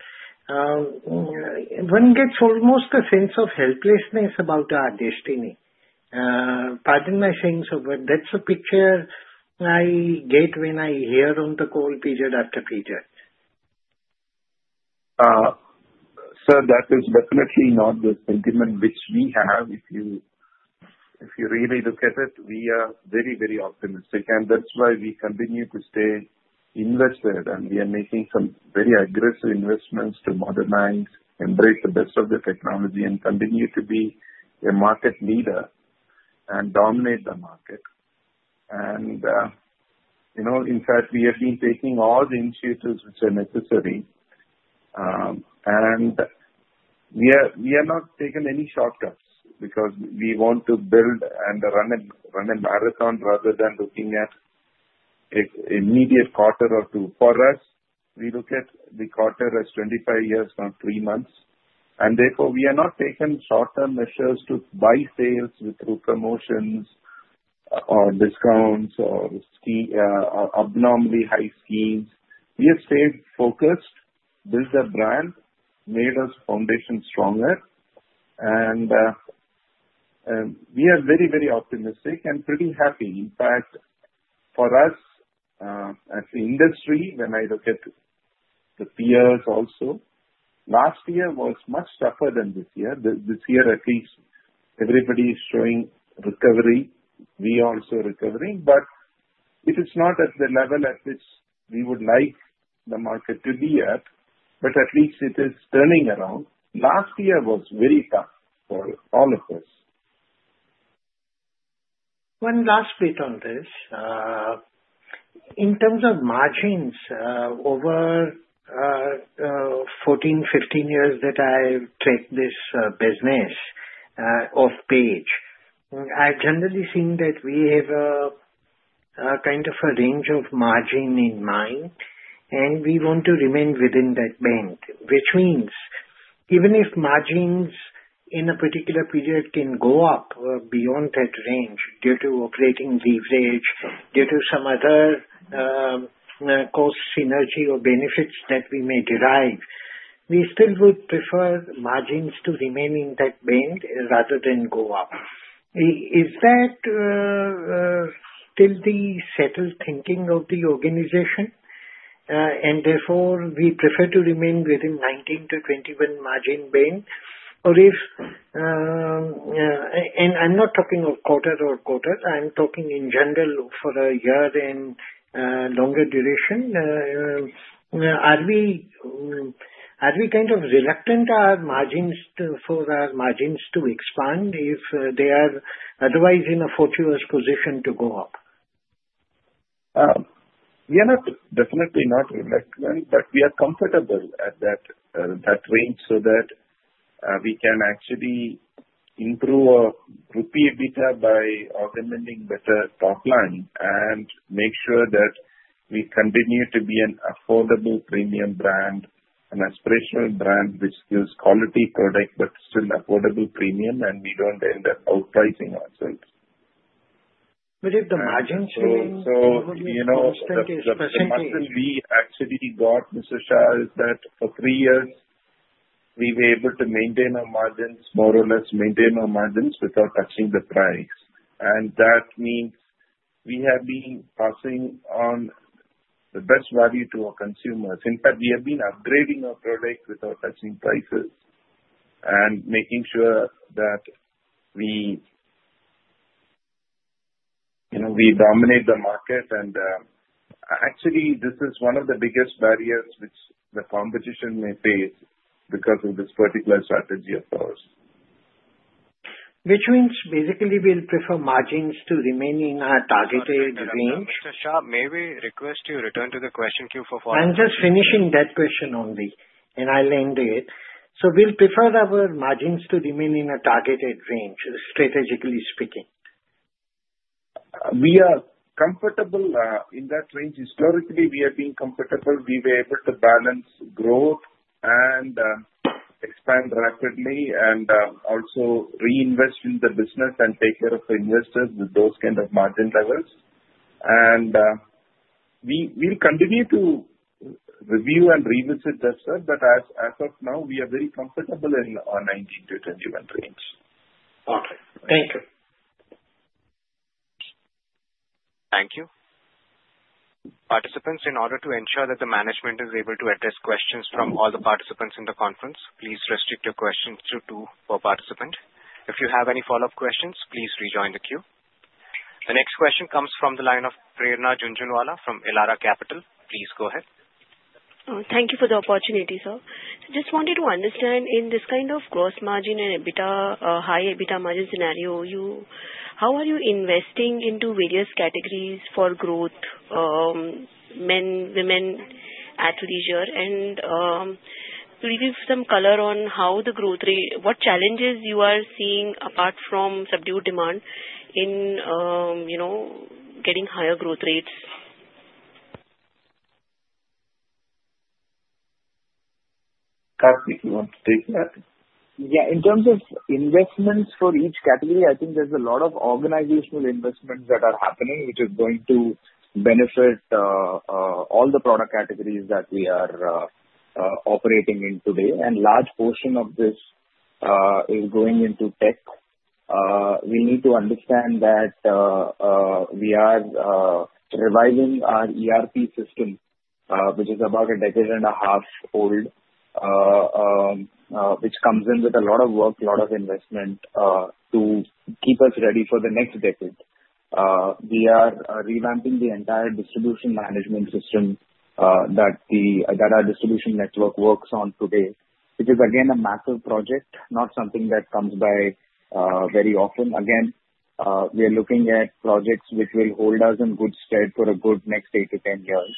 one gets almost a sense of helplessness about our destiny. Pardon my saying, but that's the picture I get when I hear on the call period after period. Sir, that is definitely not the sentiment which we have. If you really look at it, we are very, very optimistic, and that's why we continue to stay invested, and we are making some very aggressive investments to modernize, embrace the best of the technology, and continue to be a market leader and dominate the market, and in fact, we have been taking all the initiatives which are necessary, and we have not taken any shortcuts because we want to build and run a marathon rather than looking at an immediate quarter or two. For us, we look at the quarter as 25 years from three months, and therefore, we have not taken short-term measures to buy sales through promotions or discounts or abnormally high schemes. We have stayed focused, built a brand, made our foundation stronger, and we are very, very optimistic and pretty happy. In fact, for us as an industry, when I look at the peers also, last year was much tougher than this year. This year, at least, everybody is showing recovery. We are also recovering. But it is not at the level at which we would like the market to be at, but at least it is turning around. Last year was very tough for all of us. One last bit on this. In terms of margins, over 14, 15 years that I've tracked this business of Page, I've generally seen that we have kind of a range of margin in mind, and we want to remain within that band, which means even if margins in a particular period can go up beyond that range due to operating leverage, due to some other cost synergy or benefits that we may derive, we still would prefer margins to remain in that band rather than go up. Is that still the settled thinking of the organization? And therefore, we prefer to remain within 19%-21% margin band? And I'm not talking of quarter or quarter. I'm talking in general for a year and longer duration. Are we kind of reluctant for our margins to expand if they are otherwise in a fortuitous position to go up? We are definitely not reluctant, but we are comfortable at that range so that we can actually improve our gross margin by augmenting better top line and make sure that we continue to be an affordable premium brand, an aspirational brand which gives quality product but still affordable premium, and we don't end up outpricing ourselves. But if the margins remain below the percentage... What we actually got, Mr. Shah. In that, for three years, we were able to maintain our margins, more or less maintain our margins without touching the price. And that means we have been passing on the best value to our consumers. In fact, we have been upgrading our product without touching prices and making sure that we dominate the market. And actually, this is one of the biggest barriers which the competition may face because of this particular strategy of ours. Which means basically we'll prefer margins to remain in our targeted range. Mr. Shah, may we request you return to the question queue for follow-up? I'm just finishing that question only, and I'll end it. So we'll prefer our margins to remain in a targeted range, strategically speaking. We are comfortable in that range. Historically, we have been comfortable. We were able to balance growth and expand rapidly and also reinvest in the business and take care of investors with those kind of margin levels, and we'll continue to review and revisit that stuff, but as of now, we are very comfortable in our 19%-21% range. Okay. Thank you. Thank you. Participants, in order to ensure that the management is able to address questions from all the participants in the conference, please restrict your questions to two per participant. If you have any follow-up questions, please rejoin the queue. The next question comes from the line of Prerna Jhunjhunwala from Elara Capital. Please go ahead. Thank you for the opportunity, sir. Just wanted to understand, in this kind of gross margin and high EBITDA margin scenario, how are you investing into various categories for growth, men, women, athleisure? And could you give some color on what challenges you are seeing apart from subdued demand in getting higher growth rates? Karthik, you want to take that? Yeah. In terms of investments for each category, I think there's a lot of organizational investments that are happening, which is going to benefit all the product categories that we are operating in today, and a large portion of this is going into tech. We need to understand that we are revising our ERP system, which is about a decade and a half old, which comes in with a lot of work, a lot of investment to keep us ready for the next decade. We are revamping the entire distribution management system that our distribution network works on today, which is, again, a massive project, not something that comes by very often. Again, we are looking at projects which will hold us in good stead for a good next eight to 10 years.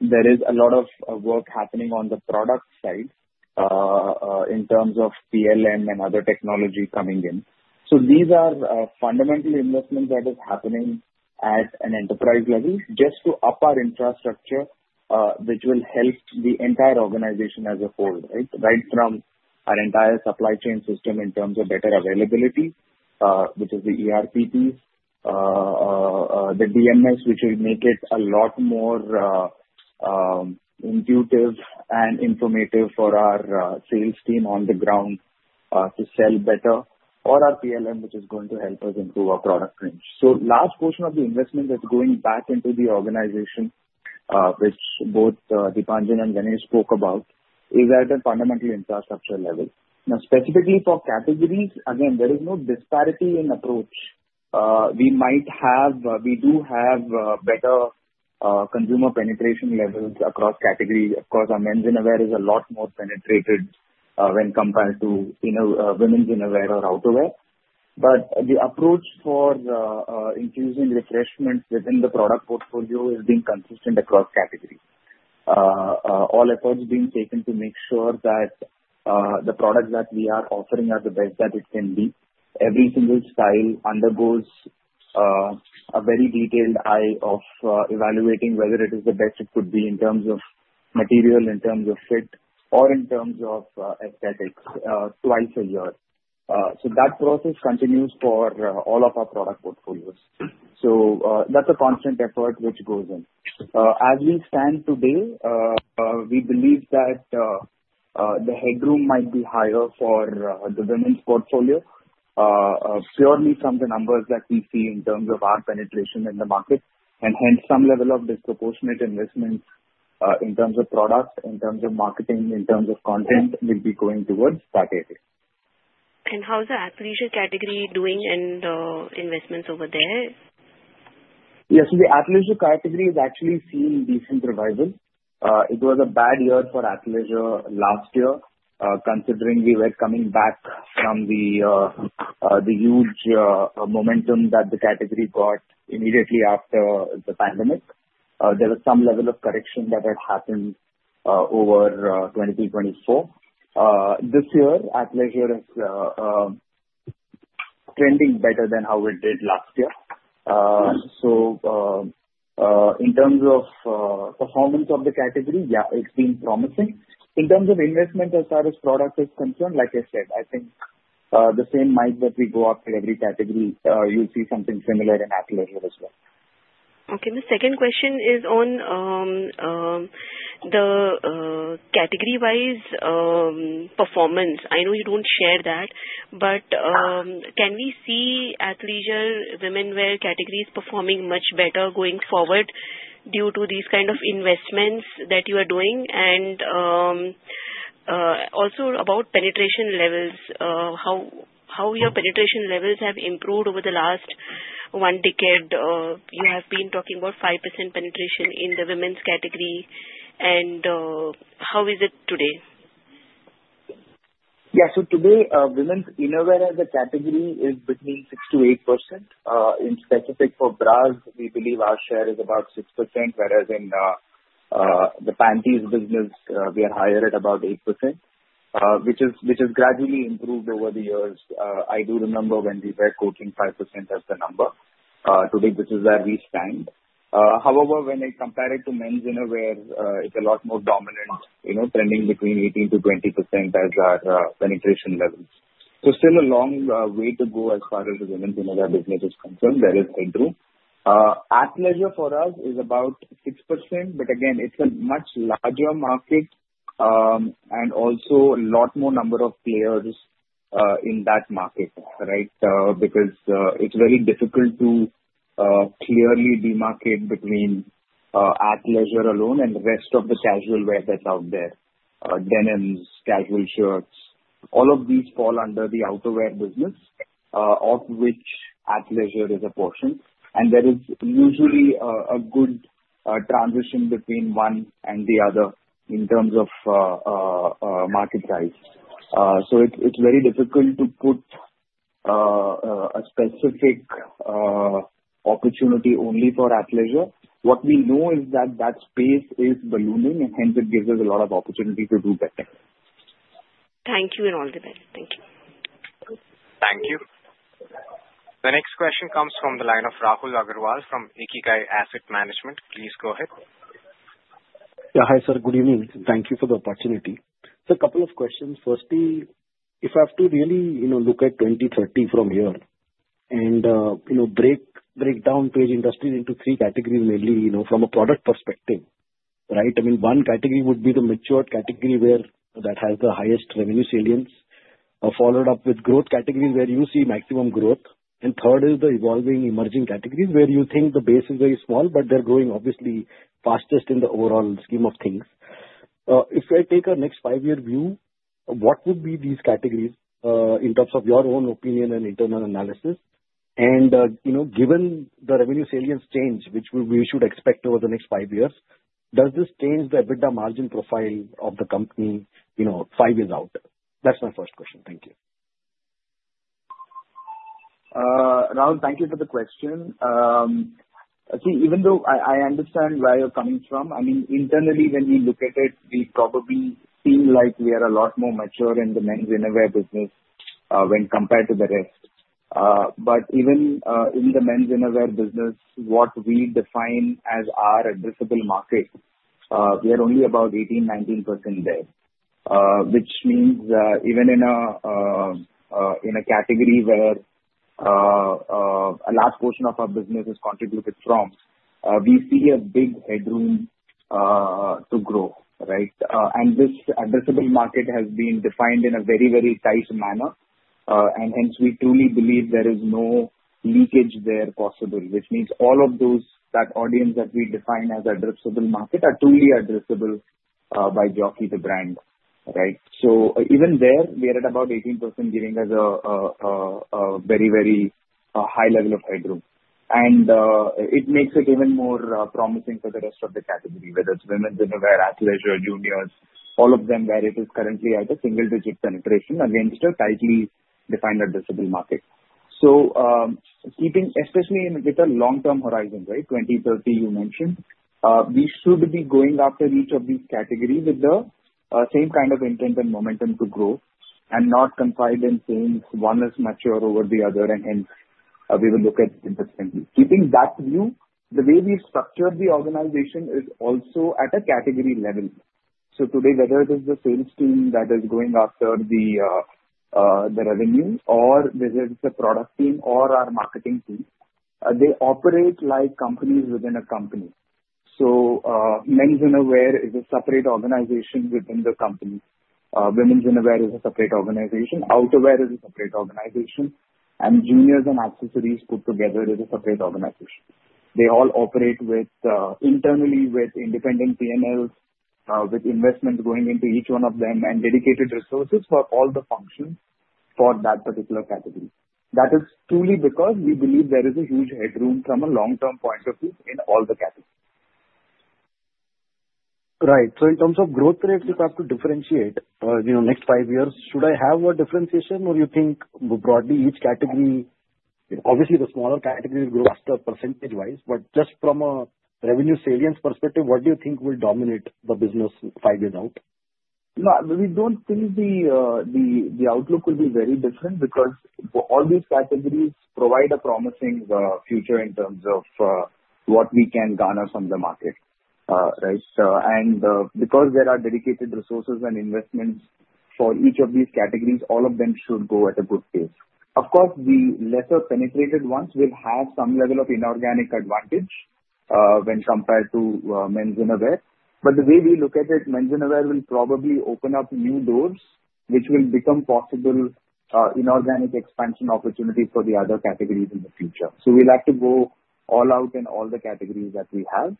There is a lot of work happening on the product side in terms of PLM and other technology coming in. So these are fundamental investments that are happening at an enterprise level just to up our infrastructure, which will help the entire organization as a whole, right? Right from our entire supply chain system in terms of better availability, which is the ERP piece, the DMS, which will make it a lot more intuitive and informative for our sales team on the ground to sell better, or our PLM, which is going to help us improve our product range. So the last portion of the investment that's going back into the organization, which both Deepanjan and Ganesh spoke about, is at the fundamental infrastructure level. Now, specifically for categories, again, there is no disparity in approach. We do have better consumer penetration levels across categories. Of course, our men's innerwear is a lot more penetrated when compared to women's innerwear or outerwear. But the approach for infusing refreshments within the product portfolio has been consistent across categories. All efforts are being taken to make sure that the products that we are offering are the best that it can be. Every single style undergoes a very detailed eye of evaluating whether it is the best it could be in terms of material, in terms of fit, or in terms of aesthetics twice a year. So that process continues for all of our product portfolios. So that's a constant effort which goes in. As we stand today, we believe that the headroom might be higher for the women's portfolio purely from the numbers that we see in terms of our penetration in the market. Hence, some level of disproportionate investments in terms of product, in terms of marketing, in terms of content will be going towards that area. How is the athleisure category doing and the investments over there? Yes. So the athleisure category is actually seeing decent revival. It was a bad year for athleisure last year, considering we were coming back from the huge momentum that the category got immediately after the pandemic. There was some level of correction that had happened over 2024. This year, athleisure is trending better than how it did last year. So in terms of performance of the category, yeah, it's been promising. In terms of investment as far as product is concerned, like I said, I think the same might be that we go after every category. You'll see something similar in athleisure as well. Okay. My second question is on the category-wise performance. I know you don't share that, but can we see athleisure, women's wear categories performing much better going forward due to these kind of investments that you are doing? And also about penetration levels, how your penetration levels have improved over the last one decade? You have been talking about 5% penetration in the women's category. And how is it today? Yeah. So today, women's innerwear as a category is between 6%-8%. In specific for bras, we believe our share is about 6%, whereas in the panties business, we are higher at about 8%, which has gradually improved over the years. I do remember when we were quoting 5% as the number. Today, this is where we stand. However, when I compare it to men's innerwear, it's a lot more dominant, trending between 18%-20% as our penetration levels. So still a long way to go as far as the women's innerwear business is concerned. There is headroom. Athleisure for us is about 6%, but again, it's a much larger market and also a lot more number of players in that market, right? Because it's very difficult to clearly demarcate between athleisure alone and the rest of the casual wear that's out there. Denims, casual shirts, all of these fall under the outerwear business, of which athleisure is a portion. And there is usually a good transition between one and the other in terms of market size. So it's very difficult to put a specific opportunity only for athleisure. What we know is that that space is ballooning, and hence it gives us a lot of opportunity to do better. Thank you and all the best. Thank you. Thank you. The next question comes from the line of Rahul Agarwal from Ikigai Asset Management. Please go ahead. Yeah. Hi, sir. Good evening. Thank you for the opportunity. So a couple of questions. Firstly, if I have to really look at 2030 from here and break down Page Industries into three categories mainly from a product perspective, right? I mean, one category would be the matured category that has the highest revenue salience, followed up with growth categories where you see maximum growth. And third is the evolving emerging categories where you think the base is very small, but they're growing obviously fastest in the overall scheme of things. If I take a next five-year view, what would be these categories in terms of your own opinion and internal analysis? And given the revenue salience change, which we should expect over the next five years, does this change the EBITDA margin profile of the company five years out? That's my first question. Thank you. Rahul, thank you for the question. See, even though I understand where you're coming from, I mean, internally, when we look at it, we probably seem like we are a lot more mature in the men's innerwear business when compared to the rest. But even in the men's innerwear business, what we define as our addressable market, we are only about 18%-19% there, which means even in a category where a large portion of our business is contributed from, we see a big headroom to grow, right? And this addressable market has been defined in a very, very tight manner. And hence, we truly believe there is no leakage there possible, which means all of that audience that we define as addressable market are truly addressable by Jockey, the brand, right? So even there, we are at about 18% giving us a very, very high level of headroom. And it makes it even more promising for the rest of the category, whether it's women's innerwear, athleisure, juniors, all of them where it is currently at a single-digit penetration against a tightly defined addressable market. So especially with a long-term horizon, right? 2030, you mentioned, we should be going after each of these categories with the same kind of intent and momentum to grow and not confine in saying one is mature over the other. And hence, we will look at it differently. Keeping that view, the way we structure the organization is also at a category level. So today, whether it is the sales team that is going after the revenue or whether it's the product team or our marketing team, they operate like companies within a company. So men's innerwear is a separate organization within the company. Women's innerwear is a separate organization. Outerwear is a separate organization. Juniors and accessories put together is a separate organization. They all operate internally with independent P&Ls, with investments going into each one of them, and dedicated resources for all the functions for that particular category. That is truly because we believe there is a huge headroom from a long-term point of view in all the categories. Right. So in terms of growth rate, if I have to differentiate next five years, should I have a differentiation, or you think broadly each category? Obviously, the smaller categories grow faster percentage-wise. But just from a revenue salience perspective, what do you think will dominate the business five years out? No, we don't think the outlook will be very different because all these categories provide a promising future in terms of what we can garner from the market, right? And because there are dedicated resources and investments for each of these categories, all of them should go at a good pace. Of course, the lesser-penetrated ones will have some level of inorganic advantage when compared to men's innerwear. But the way we look at it, men's innerwear will probably open up new doors, which will become possible inorganic expansion opportunities for the other categories in the future. So we'll have to go all out in all the categories that we have.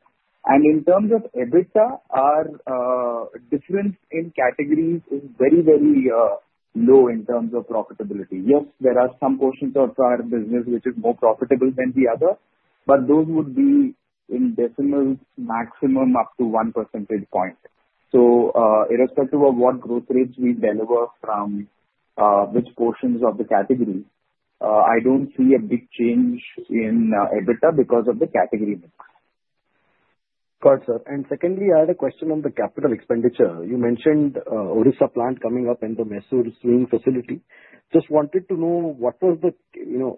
And in terms of EBITDA, our difference in categories is very, very low in terms of profitability. Yes, there are some portions of our business which are more profitable than the other, but those would be in decimals, maximum up to 1 percentage point. So irrespective of what growth rates we deliver from which portions of the category, I don't see a big change in EBITDA because of the category mix. Got it, sir. And secondly, I had a question on the capital expenditure. You mentioned Odisha plant coming up in the Mysore sewing facility. Just wanted to know what was the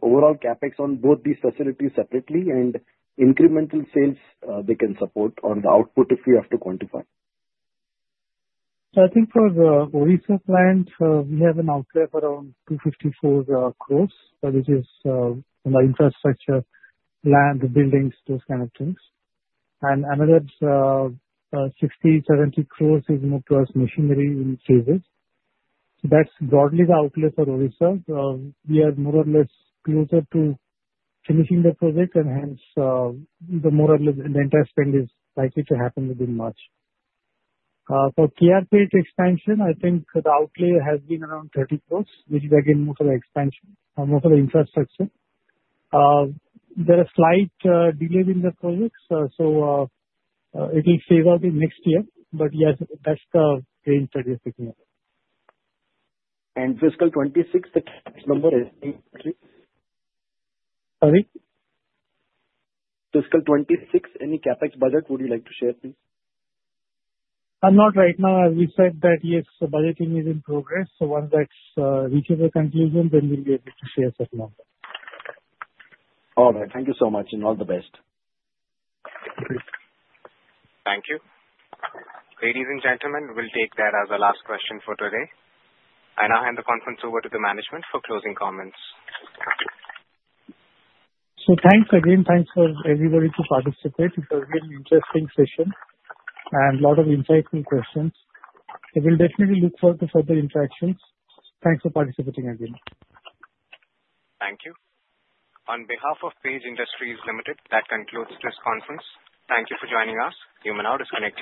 overall CapEx on both these facilities separately and incremental sales they can support or the output if we have to quantify? I think for the Odisha plant, we have an outlay of around 254 crores, which is infrastructure, land, buildings, those kind of things. And another 60-70 crores is more towards machinery and service. That's broadly the outlay for Odisha. We are more or less closer to finishing the project, and hence more or less the interest spend is likely to happen within March. For K.R. Pete expansion, I think the outlay has been around 30 crores, which is again more for the expansion, more for the infrastructure. There is a slight delay in the projects, so it will fade out in next year. But yes, that's the range that we are thinking of. Fiscal 2026, the tax number is 83? Sorry? Fiscal 26, any CAPEX budget would you like to share, please? Not right now. As we said that, yes, the budgeting is in progress. So once that's reached a conclusion, then we'll be able to share that number. All right. Thank you so much and all the best. Thank you. Ladies and gentlemen, we'll take that as a last question for today. I now hand the conference over to the management for closing comments. So thanks again. Thanks for everybody to participate. It was a really interesting session and a lot of insightful questions. We'll definitely look forward to further interactions. Thanks for participating again. Thank you. On behalf of Page Industries Limited, that concludes this conference. Thank you for joining us. You may now disconnect.